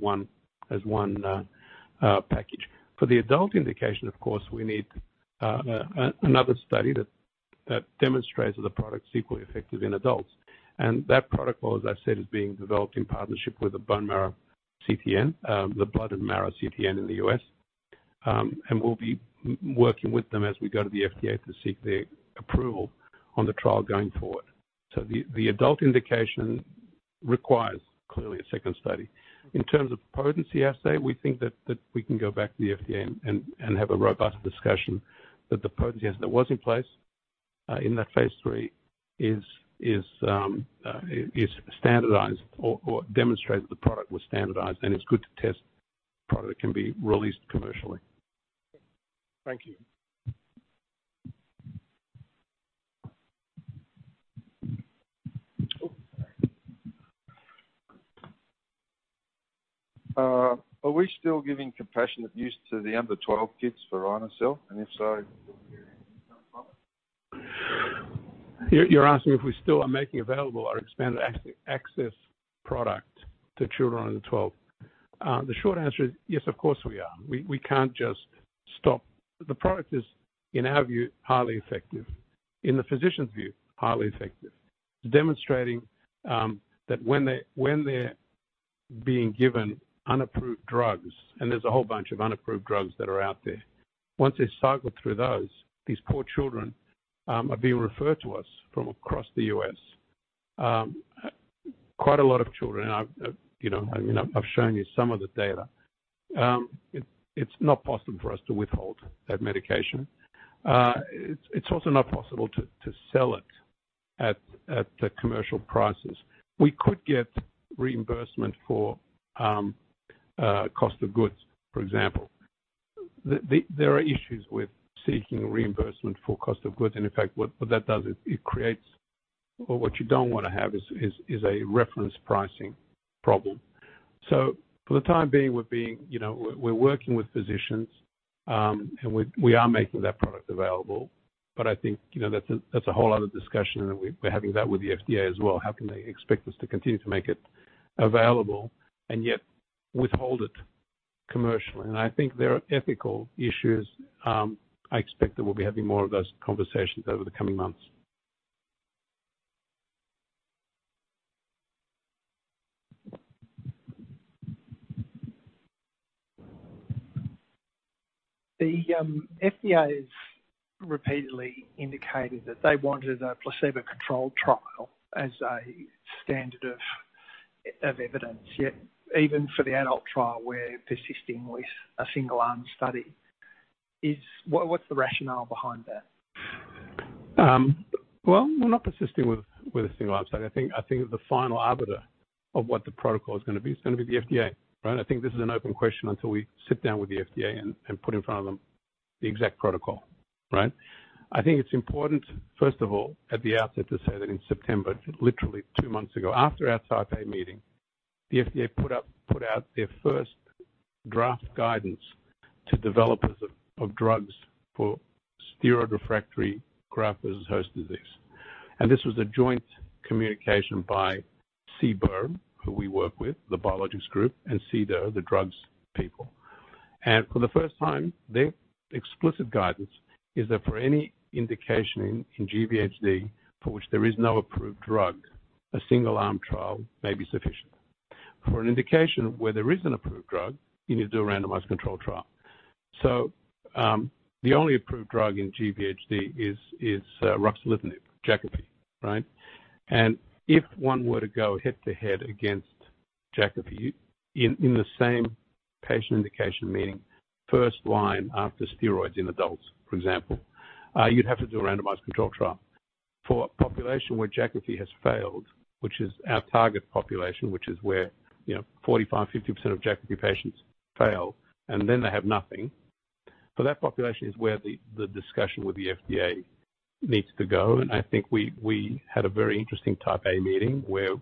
one package. For the adult indication, of course, we need another study that demonstrates that the product's equally effective in adults. And that protocol, as I've said, is being developed in partnership with the Blood and Marrow CTN in the US. And we'll be working with them as we go to the FDA to seek their approval on the trial going forward. So the adult indication requires clearly a second study. In terms of potency assay, we think that we can go back to the FDA and have a robust discussion that the potency assay that was in place in that phase lll is standardized or demonstrates the product was standardized and is good to test, product can be released commercially. Thank you. Are we still giving compassionate use to the under-12 kids for Ryoncil? And if so, what-... You're, you're asking if we still are making available our expanded access product to children under twelve? The short answer is yes, of course, we are. We, we can't just stop. The product is, in our view, highly effective, in the physician's view, highly effective. Demonstrating that when they, when they're being given unapproved drugs, and there's a whole bunch of unapproved drugs that are out there, once they've cycled through those, these poor children are being referred to us from across the U.S. Quite a lot of children, and I've, you know, I mean, I've shown you some of the data. It's not possible for us to withhold that medication. It's also not possible to sell it at the commercial prices. We could get reimbursement for cost of goods, for example. There are issues with seeking reimbursement for cost of goods, and in fact, what that does is it creates, or what you don't want to have is a reference pricing problem. So for the time being, we're being, you know, we're working with physicians, and we are making that product available. But I think, you know, that's a whole other discussion, and we're having that with the FDA as well. How can they expect us to continue to make it available and yet withhold it commercially? And I think there are ethical issues. I expect that we'll be having more of those conversations over the coming months. The FDA's repeatedly indicated that they wanted a placebo-controlled trial as a standard of evidence, yet even for the adult trial, we're persisting with a single-arm study. What's the rationale behind that? Well, we're not persisting with a single-arm study. I think the final arbiter of what the protocol is gonna be is gonna be the FDA, right? I think it's important, first of all, at the outset, to say that in September, literally two months ago, after our Type A meeting, the FDA put out their first draft guidance to developers of drugs for steroid-refractory graft versus host disease. This was a joint communication by CBER, who we work with, the biologics group, and CDER, the drugs people. For the first time, their explicit guidance is that for any indication in GvHD, for which there is no approved drug, a single-arm trial may be sufficient. For an indication where there is an approved drug, you need to do a randomized controlled trial. So, the only approved drug in GvHD is ruxolitinib, Jakafi, right? And if one were to go head-to-head against Jakafi in the same patient indication, meaning first line after steroids in adults, for example, you'd have to do a randomized controlled trial. For a population where Jakafi has failed, which is our target population, which is where, you know, 45%-50% of Jakafi patients fail, and then they have nothing, for that population is where the discussion with the FDA needs to go. I think we had a very interesting Type A meeting where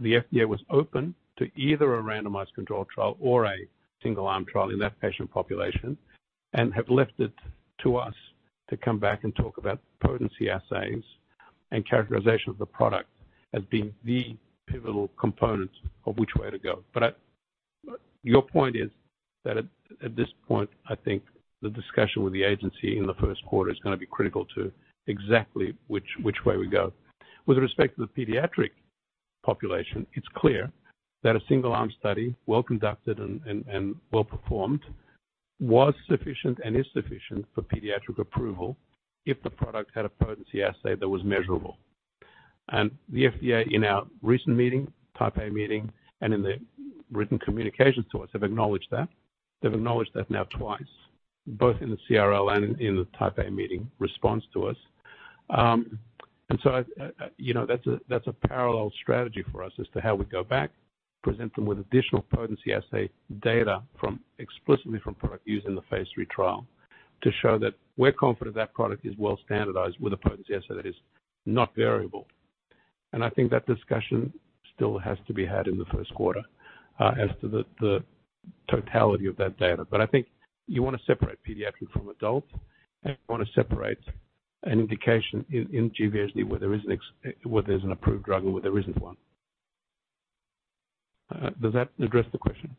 the FDA was open to either a randomized controlled trial or a single-arm trial in that patient population and have left it to us to come back and talk about potency assays and characterization of the product as being the pivotal components of which way to go. But your point is that at this point, I think the discussion with the agency in the first quarter is gonna be critical to exactly which way we go. With respect to the pediatric population, it's clear that a single-arm study, well conducted and well performed, was sufficient and is sufficient for pediatric approval if the product had a potency assay that was measurable. And the FDA, in our recent meeting, Type A meeting, and in the written communication to us, have acknowledged that. They've acknowledged that now twice, both in the CRL and in the Type A meeting response to us. And so I you know, that's a, that's a parallel strategy for us as to how we go back, present them with additional potency assay data from, explicitly from product used in the phase lll trial, to show that we're confident that product is well-standardized with a potency assay that is not variable. And I think that discussion still has to be had in the first quarter, as to the totality of that data. But I think you want to separate pediatric from adult, and you want to separate an indication in GvHD where there's an approved drug or where there isn't one. Does that address the question?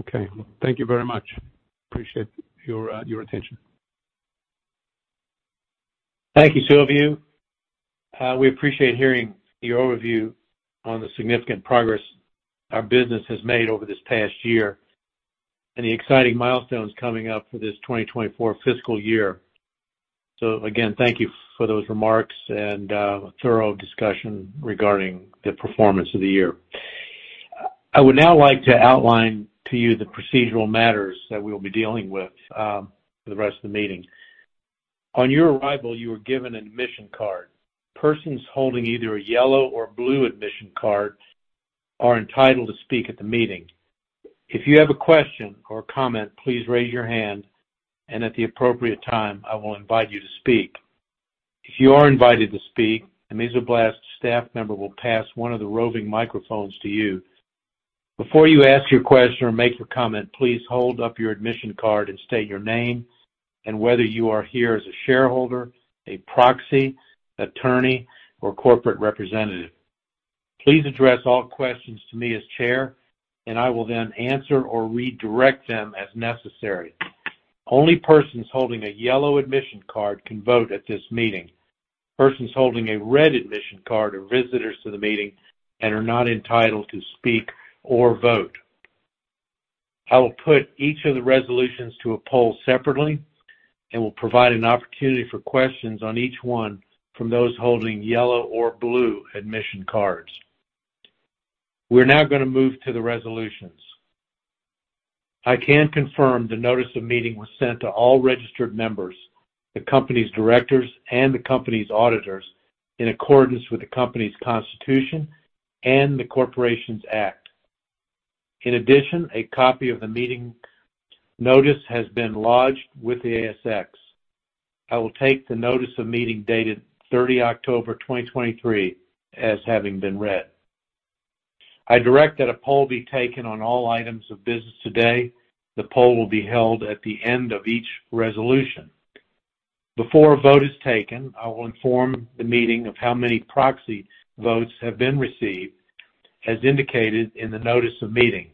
Okay, thank you very much. Appreciate your attention. Thank you, both of you. We appreciate hearing your overview on the significant progress our business has made over this past year and the exciting milestones coming up for this 2024 fiscal year. So again, thank you for those remarks and, a thorough discussion regarding the performance of the year. I would now like to outline to you the procedural matters that we will be dealing with, for the rest of the meeting. On your arrival, you were given an admission card. Persons holding either a yellow or blue admission card are entitled to speak at the meeting. If you have a question or comment, please raise your hand, and at the appropriate time, I will invite you to speak. If you are invited to speak, a Mesoblast staff member will pass one of the roving microphones to you. Before you ask your question or make a comment, please hold up your admission card and state your name and whether you are here as a shareholder, a proxy, attorney, or corporate representative. Please address all questions to me as chair, and I will then answer or redirect them as necessary. Only persons holding a yellow admission card can vote at this meeting. Persons holding a red admission card are visitors to the meeting and are not entitled to speak or vote. I will put each of the resolutions to a poll separately and will provide an opportunity for questions on each one from those holding yellow or blue admission cards. We're now gonna move to the resolutions. I can confirm the notice of meeting was sent to all registered members, the company's Directors, and the company's auditors, in accordance with the company's constitution and the Corporations Act. In addition, a copy of the meeting notice has been lodged with the ASX. I will take the notice of meeting dated 30 October 2023, as having been read. I direct that a poll be taken on all items of business today. The poll will be held at the end of each resolution. Before a vote is taken, I will inform the meeting of how many proxy votes have been received, as indicated in the notice of meeting.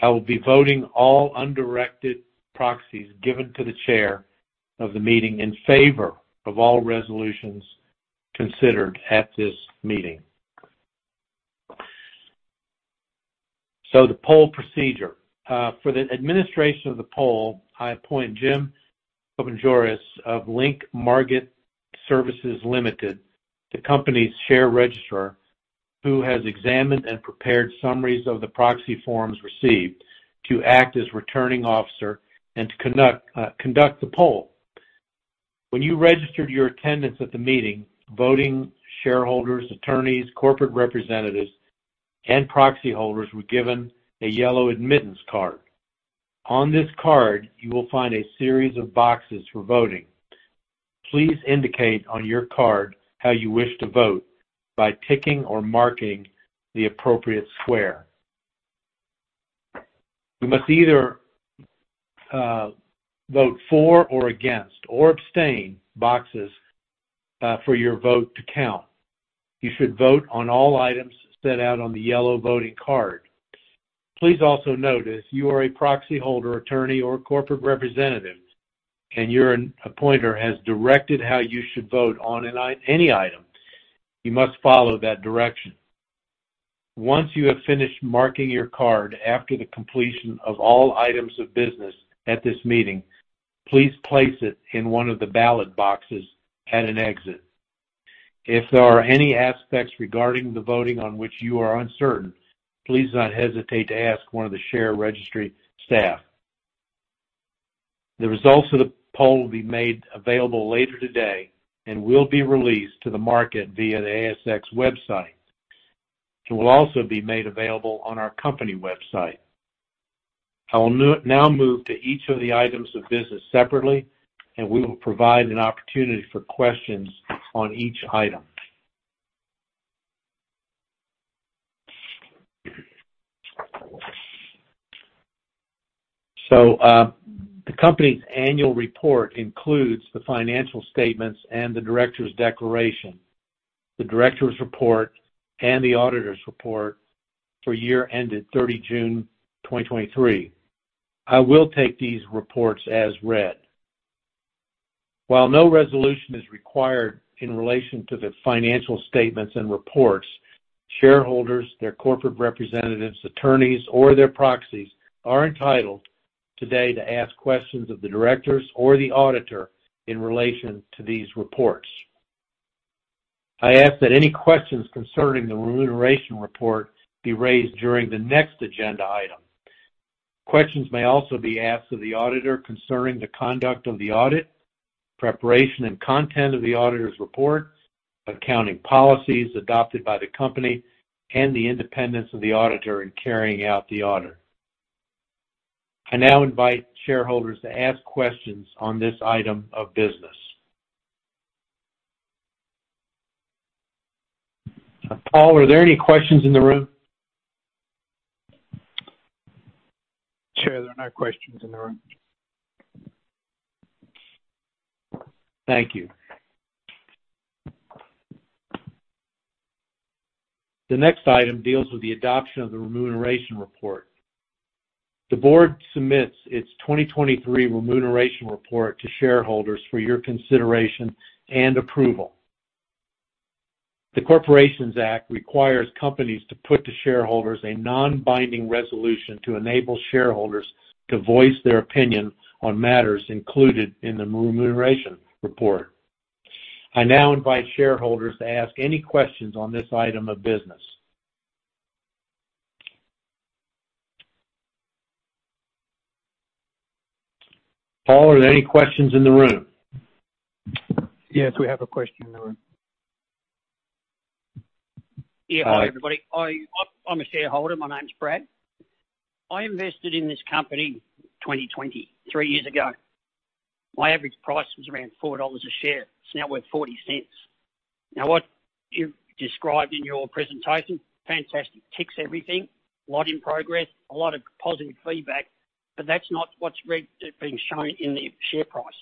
I will be voting all undirected proxies given to the chair of the meeting in favor of all resolutions considered at this meeting. So the poll procedure. For the administration of the poll, I appoint Jim Koumantaris of Link Market Services Limited, the company's share registrar, who has examined and prepared summaries of the proxy forms received, to act as returning officer and to conduct the poll. When you registered your attendance at the meeting, voting shareholders, attorneys, corporate representatives, and proxy holders were given a yellow admittance card. On this card, you will find a series of boxes for voting. Please indicate on your card how you wish to vote by ticking or marking the appropriate square. You must either vote for or against or abstain boxes for your vote to count. You should vote on all items set out on the yellow voting card. Please also note, if you are a proxy holder, attorney, or corporate representative, and your appointer has directed how you should vote on any item, you must follow that direction. Once you have finished marking your card after the completion of all items of business at this meeting, please place it in one of the ballot boxes at an exit. If there are any aspects regarding the voting on which you are uncertain, please do not hesitate to ask one of the share registry staff. The results of the poll will be made available later today and will be released to the market via the ASX website. It will also be made available on our company website. I will now move to each of the items of business separately, and we will provide an opportunity for questions on each item. The company's annual report includes the financial statements and the Directors' declaration, the Directors' report, and the auditors' report for year ended 30 June 2023. I will take these reports as read. While no resolution is required in relation to the financial statements and reports, shareholders, their corporate representatives, attorneys, or their proxies are entitled today to ask questions of the Directors or the auditor in relation to these reports. I ask that any questions concerning the remuneration report be raised during the next agenda item. Questions may also be asked of the auditor concerning the conduct of the audit, preparation and content of the auditor's reports, accounting policies adopted by the company, and the independence of the auditor in carrying out the audit. I now invite shareholders to ask questions on this item of business. Paul, are there any questions in the room? Sure, there are no questions in the room. Thank you. The next item deals with the adoption of the remuneration report. The board submits its 2023 remuneration report to shareholders for your consideration and approval. The Corporations Act requires companies to put to shareholders a non-binding resolution to enable shareholders to voice their opinion on matters included in the remuneration report. I now invite shareholders to ask any questions on this item of business. Paul, are there any questions in the room? Yes, we have a question in the room. ... Yeah. Hi, everybody. I'm a shareholder. My name's Brad. I invested in this company 2020, 3 years ago. My average price was around 4 dollars a share. It's now worth 0.40. Now, what you've described in your presentation, fantastic. Ticks everything, a lot in progress, a lot of positive feedback, but that's not what's being shown in the share price.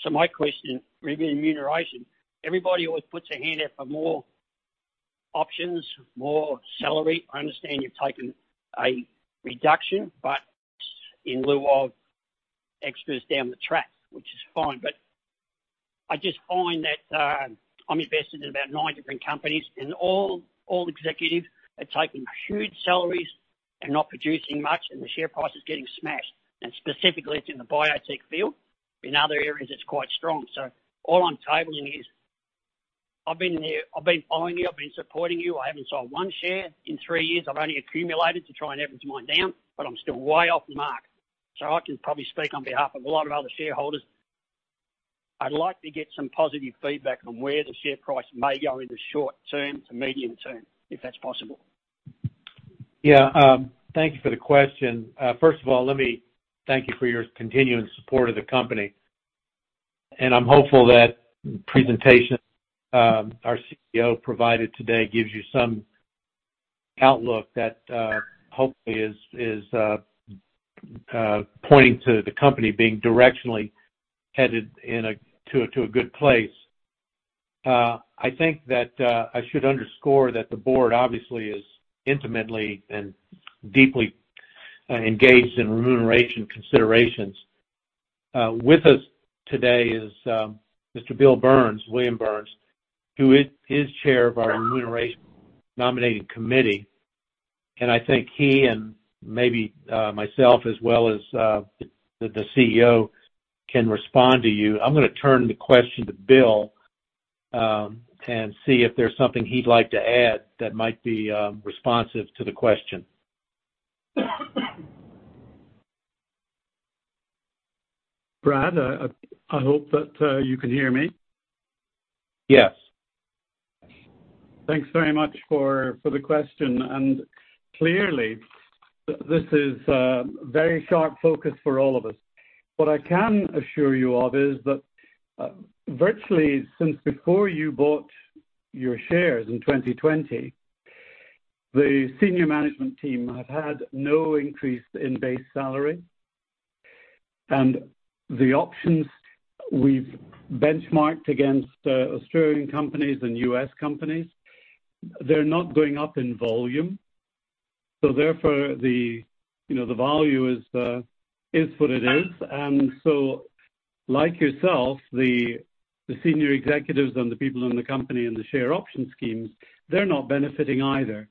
So my question, remuneration. Everybody always puts a hand out for more options, more salary. I understand you've taken a reduction, but in lieu of extras down the track, which is fine. But I just find that, I'm invested in about 9 different companies, and all, all executives are taking huge salaries and not producing much, and the share price is getting smashed. And specifically, it's in the biotech field. In other areas, it's quite strong. So all I'm tabling is, I've been there, I've been following you, I've been supporting you. I haven't sold one share in three years. I've only accumulated to try and average mine down, but I'm still way off the mark. So I can probably speak on behalf of a lot of other shareholders. I'd like to get some positive feedback on where the share price may go in the short term to medium term, if that's possible. Yeah, thank you for the question. First of all, let me thank you for your continuing support of the company, and I'm hopeful that the presentation our CEO provided today gives you some outlook that hopefully is pointing to the company being directionally headed in a to a good place. I think that I should underscore that the board obviously is intimately and deeply engaged in remuneration considerations. With us today is Mr. Bill Burns, William Burns, who is chair of our Remuneration Nominating Committee, and I think he and maybe myself, as well as the CEO, can respond to you. I'm gonna turn the question to Bill and see if there's something he'd like to add that might be responsive to the question. Brad, I hope that you can hear me. Yes. Thanks very much for the question, and clearly, this is a very sharp focus for all of us. What I can assure you of is that, virtually since before you bought your shares in 2020, the senior management team have had no increase in base salary. And the options we've benchmarked against, Australian companies and US companies, they're not going up in volume, so therefore, the, you know, the value is, is what it is. And so, like yourself, the senior executives and the people in the company and the share option schemes, they're not benefiting either.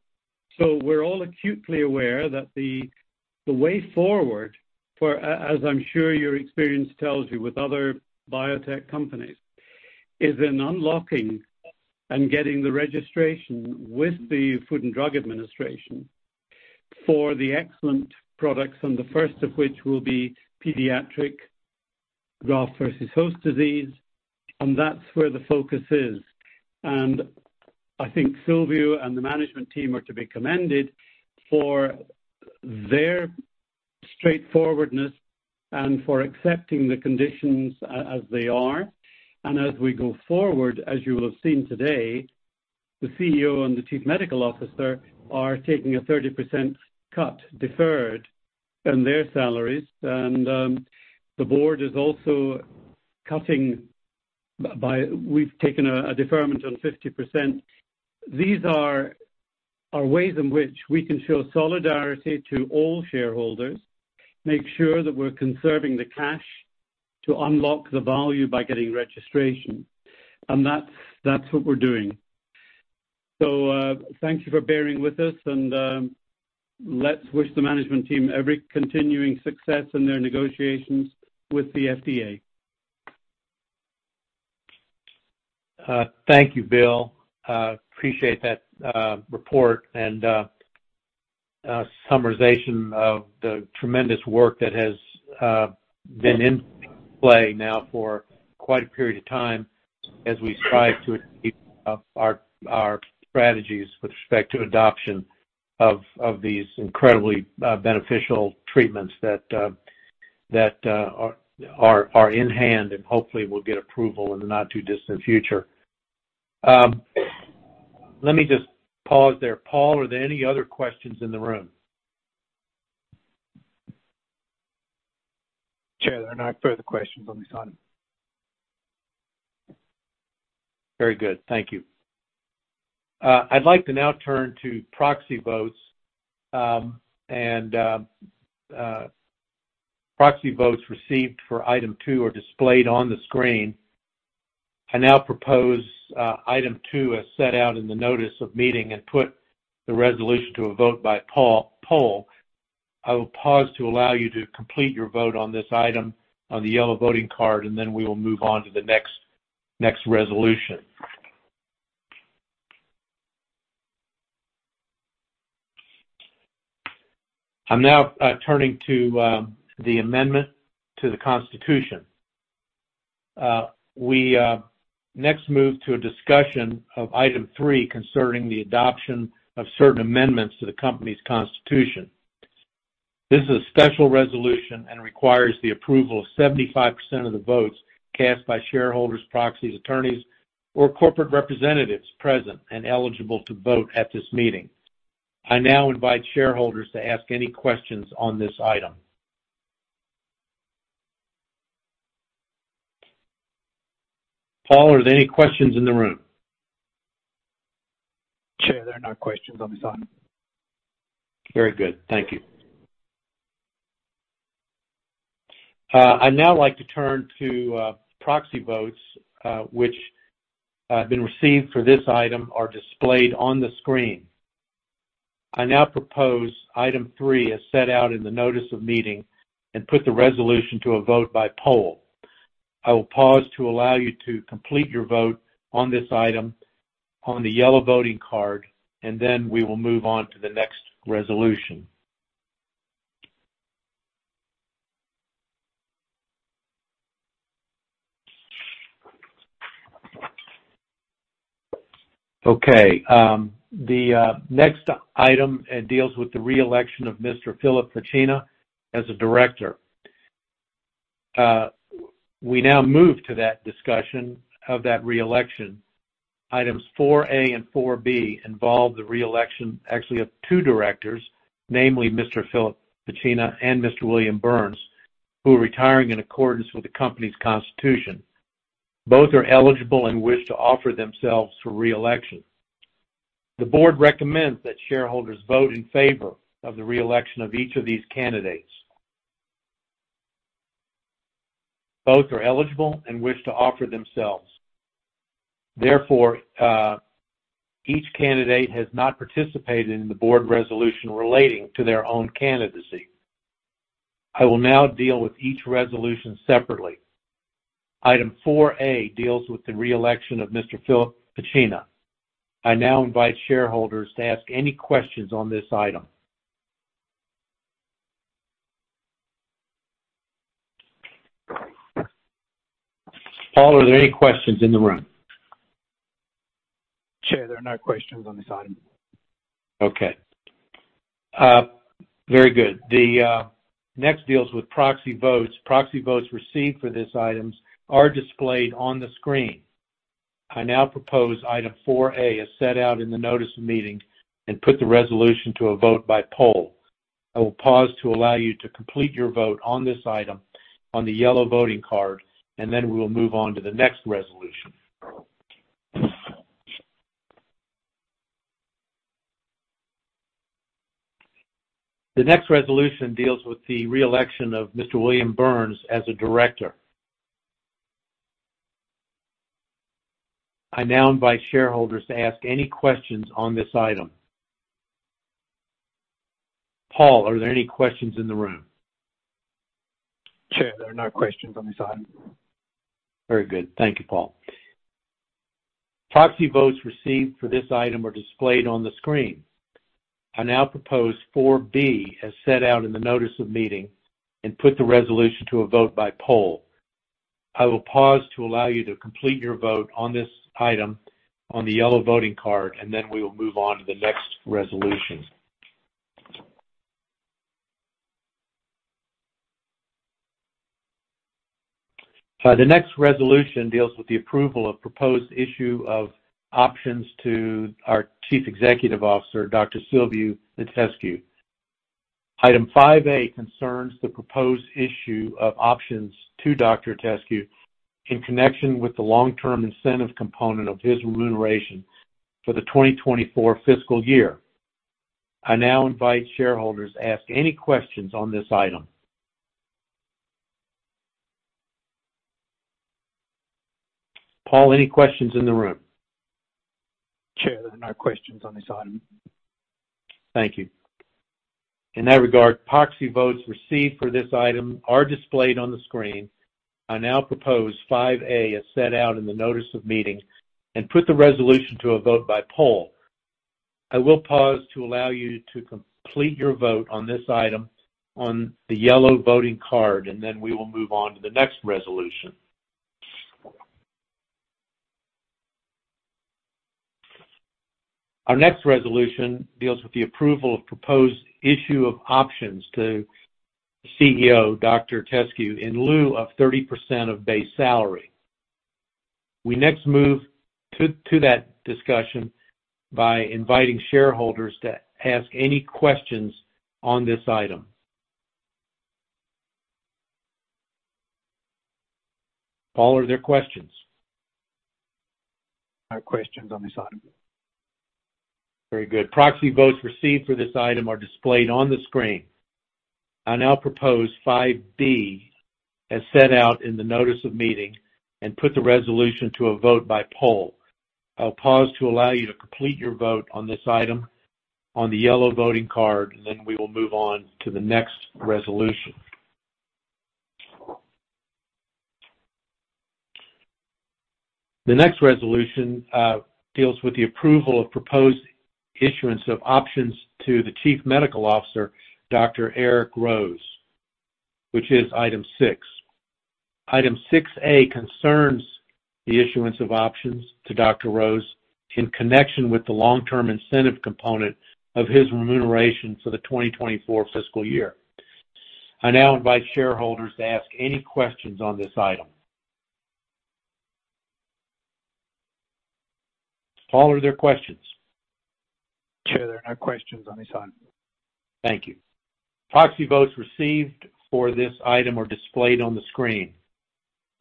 So we're all acutely aware that the way forward, as I'm sure your experience tells you with other biotech companies, is in unlocking and getting the registration with the Food and Drug Administration for the excellent products, and the first of which will be pediatric graft versus host disease, and that's where the focus is. And I think Silviu and the management team are to be commended for their straightforwardness and for accepting the conditions as they are. And as we go forward, as you will have seen today, the CEO and the Chief Medical Officer are taking a 30% cut, deferred, in their salaries. And the board is also cutting by... We've taken a deferment on 50%. These are ways in which we can show solidarity to all shareholders, make sure that we're conserving the cash to unlock the value by getting registration. And that's what we're doing. So, thank you for bearing with us, and let's wish the management team every continuing success in their negotiations with the FDA. Thank you, Bill. Appreciate that report and summarization of the tremendous work that has been in play now for quite a period of time as we strive to our strategies with respect to adoption of these incredibly beneficial treatments that are in hand and hopefully will get approval in the not-too-distant future. Let me just pause there. Paul, are there any other questions in the room? Chair, there are no further questions on this item. Very good. Thank you. I'd like to now turn to proxy votes. Proxy votes received for item two are displayed on the screen. I now propose item two as set out in the notice of meeting and put the resolution to a vote by poll. I will pause to allow you to complete your vote on this item on the yellow voting card, and then we will move on to the next resolution. I'm now turning to the amendment to the constitution. We next move to a discussion of item three concerning the adoption of certain amendments to the company's constitution. This is a special resolution and requires the approval of 75% of the votes cast by shareholders, proxies, attorneys, or corporate representatives present and eligible to vote at this meeting. I now invite shareholders to ask any questions on this item. Paul, are there any questions in the room? Chair, there are no questions on this item. Very good. Thank you. I'd now like to turn to proxy votes, which have been received for this item, are displayed on the screen. I now propose item 3, as set out in the notice of meeting, and put the resolution to a vote by poll. I will pause to allow you to complete your vote on this item on the yellow voting card, and then we will move on to the next resolution. Okay, the next item deals with the re-election of Mr. Philip Facchina as a Director. We now move to that discussion of that re-election. Items 4A and 4B involve the re-election, actually, of two Directors, namely Mr. Philip Facchina and Mr. William Burns, who are retiring in accordance with the company's constitution. Both are eligible and wish to offer themselves for re-election. The board recommends that shareholders vote in favor of the re-election of each of these candidates. Both are eligible and wish to offer themselves. Therefore, each candidate has not participated in the board resolution relating to their own candidacy. I will now deal with each resolution separately. Item 4A deals with the re-election of Mr. Philip Facchina. I now invite shareholders to ask any questions on this item. Paul, are there any questions in the room? Chair, there are no questions on this item. Okay. Very good. The next deals with proxy votes. Proxy votes received for this item are displayed on the screen. I now propose item 4A, as set out in the notice of meeting, and put the resolution to a vote by poll. I will pause to allow you to complete your vote on this item on the yellow voting card, and then we will move on to the next resolution. The next resolution deals with the re-election of Mr. William Burns as a Director. I now invite shareholders to ask any questions on this item. Paul, are there any questions in the room? Chair, there are no questions on this item. Very good. Thank you, Paul. Proxy votes received for this item are displayed on the screen. I now propose four B, as set out in the notice of meeting, and put the resolution to a vote by poll. I will pause to allow you to complete your vote on this item on the yellow voting card, and then we will move on to the next resolution. The next resolution deals with the approval of proposed issue of options to our Chief Executive Officer, Dr. Silviu Itescu. Item 5A concerns the proposed issue of options to Dr. Itescu in connection with the long-term incentive component of his remuneration for the 2024 fiscal year. I now invite shareholders to ask any questions on this item. Paul, any questions in the room? Chair, there are no questions on this item. Thank you. In that regard, proxy votes received for this item are displayed on the screen. I now propose five A, as set out in the notice of meeting, and put the resolution to a vote by poll. I will pause to allow you to complete your vote on this item on the yellow voting card, and then we will move on to the next resolution. Our next resolution deals with the approval of proposed issue of options to CEO, Dr. Itescu, in lieu of 30% of base salary. We next move to that discussion by inviting shareholders to ask any questions on this item. Paul, are there questions? No questions on this item. Very good. Proxy votes received for this item are displayed on the screen. I now propose 5B, as set out in the notice of meeting, and put the resolution to a vote by poll. I'll pause to allow you to complete your vote on this item on the yellow voting card, and then we will move on to the next resolution... The next resolution deals with the approval of proposed issuance of options to the Chief Medical Officer, Dr. Eric Rose, which is item 6. Item 6A concerns the issuance of options to Dr. Rose in connection with the long-term incentive component of his remuneration for the 2024 fiscal year. I now invite shareholders to ask any questions on this item. Paul, are there questions? Chair, there are no questions on this item. Thank you. Proxy votes received for this item are displayed on the screen.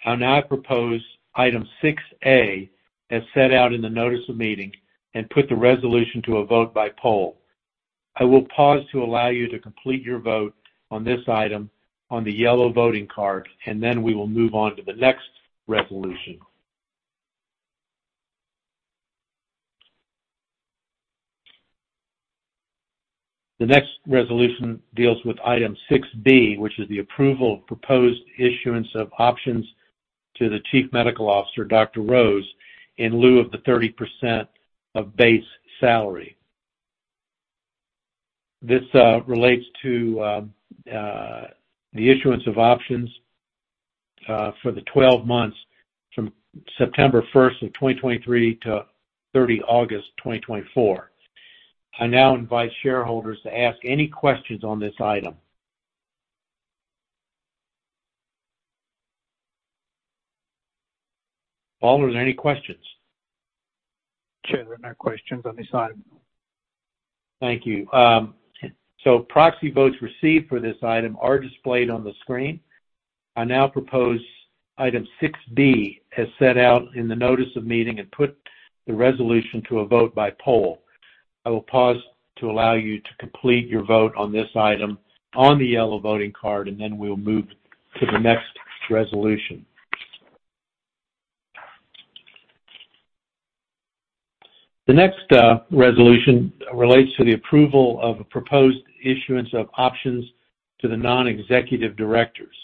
I now propose item 6A, as set out in the notice of meeting, and put the resolution to a vote by poll. I will pause to allow you to complete your vote on this item on the yellow voting card, and then we will move on to the next resolution. The next resolution deals with item 6B, which is the approval of proposed issuance of options to the Chief Medical Officer, Dr. Rose, in lieu of the 30% of base salary. This relates to the issuance of options for the 12 months from September 1, 2023 to August 30, 2024. I now invite shareholders to ask any questions on this item. Paul, are there any questions? Chair, there are no questions on this item. Thank you. So proxy votes received for this item are displayed on the screen. I now propose item 6B, as set out in the notice of meeting, and put the resolution to a vote by poll. I will pause to allow you to complete your vote on this item on the yellow voting card, and then we'll move to the next resolution. The next resolution relates to the approval of a proposed issuance of options to non-Executive Directors.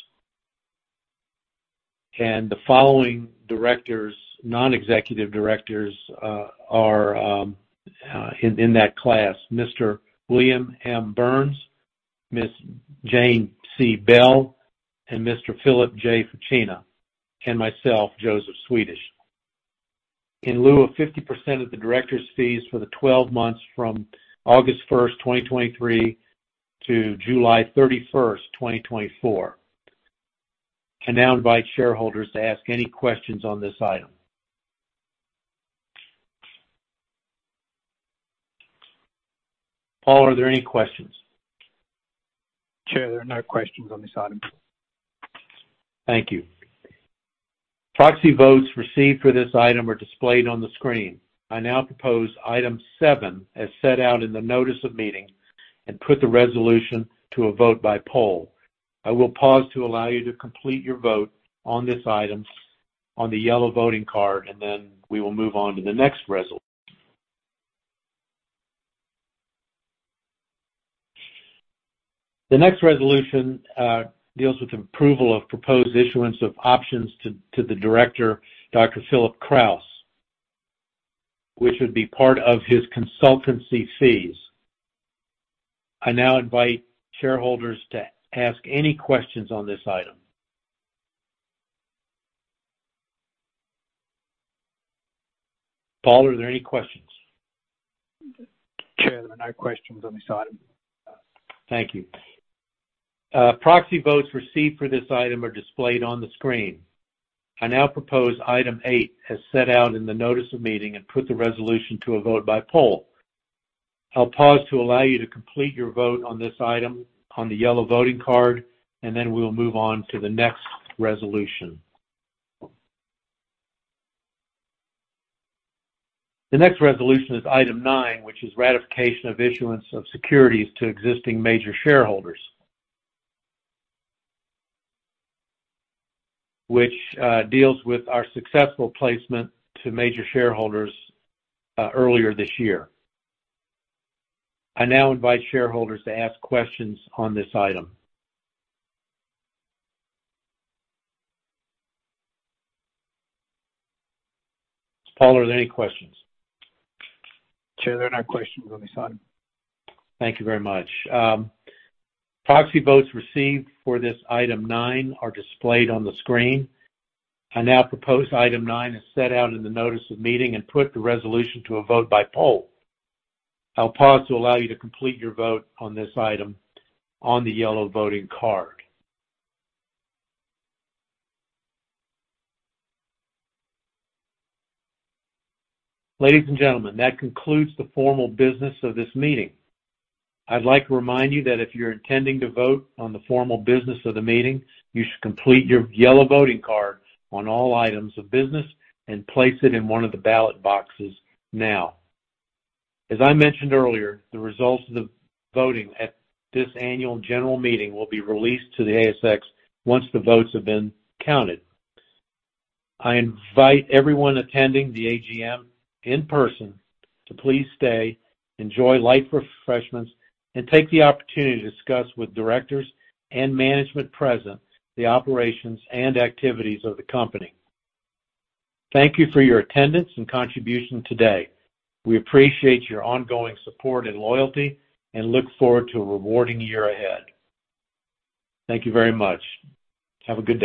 and the non-Executive Directors are in that class: Mr. William M. Burns, Ms. Jane Bell, and Mr. Philip Facchina, and myself, Joseph Swedish. In lieu of 50% of the Directors' fees for the 12 months from August 1, 2023, to July 31, 2024. I now invite shareholders to ask any questions on this item. Paul, are there any questions? Chair, there are no questions on this item. Thank you. Proxy votes received for this item are displayed on the screen. I now propose item seven, as set out in the notice of meeting, and put the resolution to a vote by poll. I will pause to allow you to complete your vote on this item on the yellow voting card, and then we will move on to the next resolution. The next resolution deals with approval of proposed issuance of options to the Director, Dr. Philip Kraus, which would be part of his consultancy fees. I now invite shareholders to ask any questions on this item. Paul, are there any questions? Chair, there are no questions on this item. Thank you. Proxy votes received for this item are displayed on the screen. I now propose item eight, as set out in the notice of meeting, and put the resolution to a vote by poll. I'll pause to allow you to complete your vote on this item on the yellow voting card, and then we will move on to the next resolution. The next resolution is item nine, which is ratification of issuance of securities to existing major shareholders. Which deals with our successful placement to major shareholders earlier this year. I now invite shareholders to ask questions on this item. Paul, are there any questions? Chair, there are no questions on this item. Thank you very much. Proxy votes received for this item nine are displayed on the screen. I now propose item nine, as set out in the notice of meeting, and put the resolution to a vote by poll. I'll pause to allow you to complete your vote on this item on the yellow voting card. Ladies and gentlemen, that concludes the formal business of this meeting. I'd like to remind you that if you're intending to vote on the formal business of the meeting, you should complete your yellow voting card on all items of business and place it in one of the ballot boxes now. As I mentioned earlier, the results of the voting at this annual general meeting will be released to the ASX once the votes have been counted. I invite everyone attending the AGM in person to please stay, enjoy light refreshments, and take the opportunity to discuss with Directors and management present, the operations and activities of the company. Thank you for your attendance and contribution today. We appreciate your ongoing support and loyalty, and look forward to a rewarding year ahead. Thank you very much. Have a good day.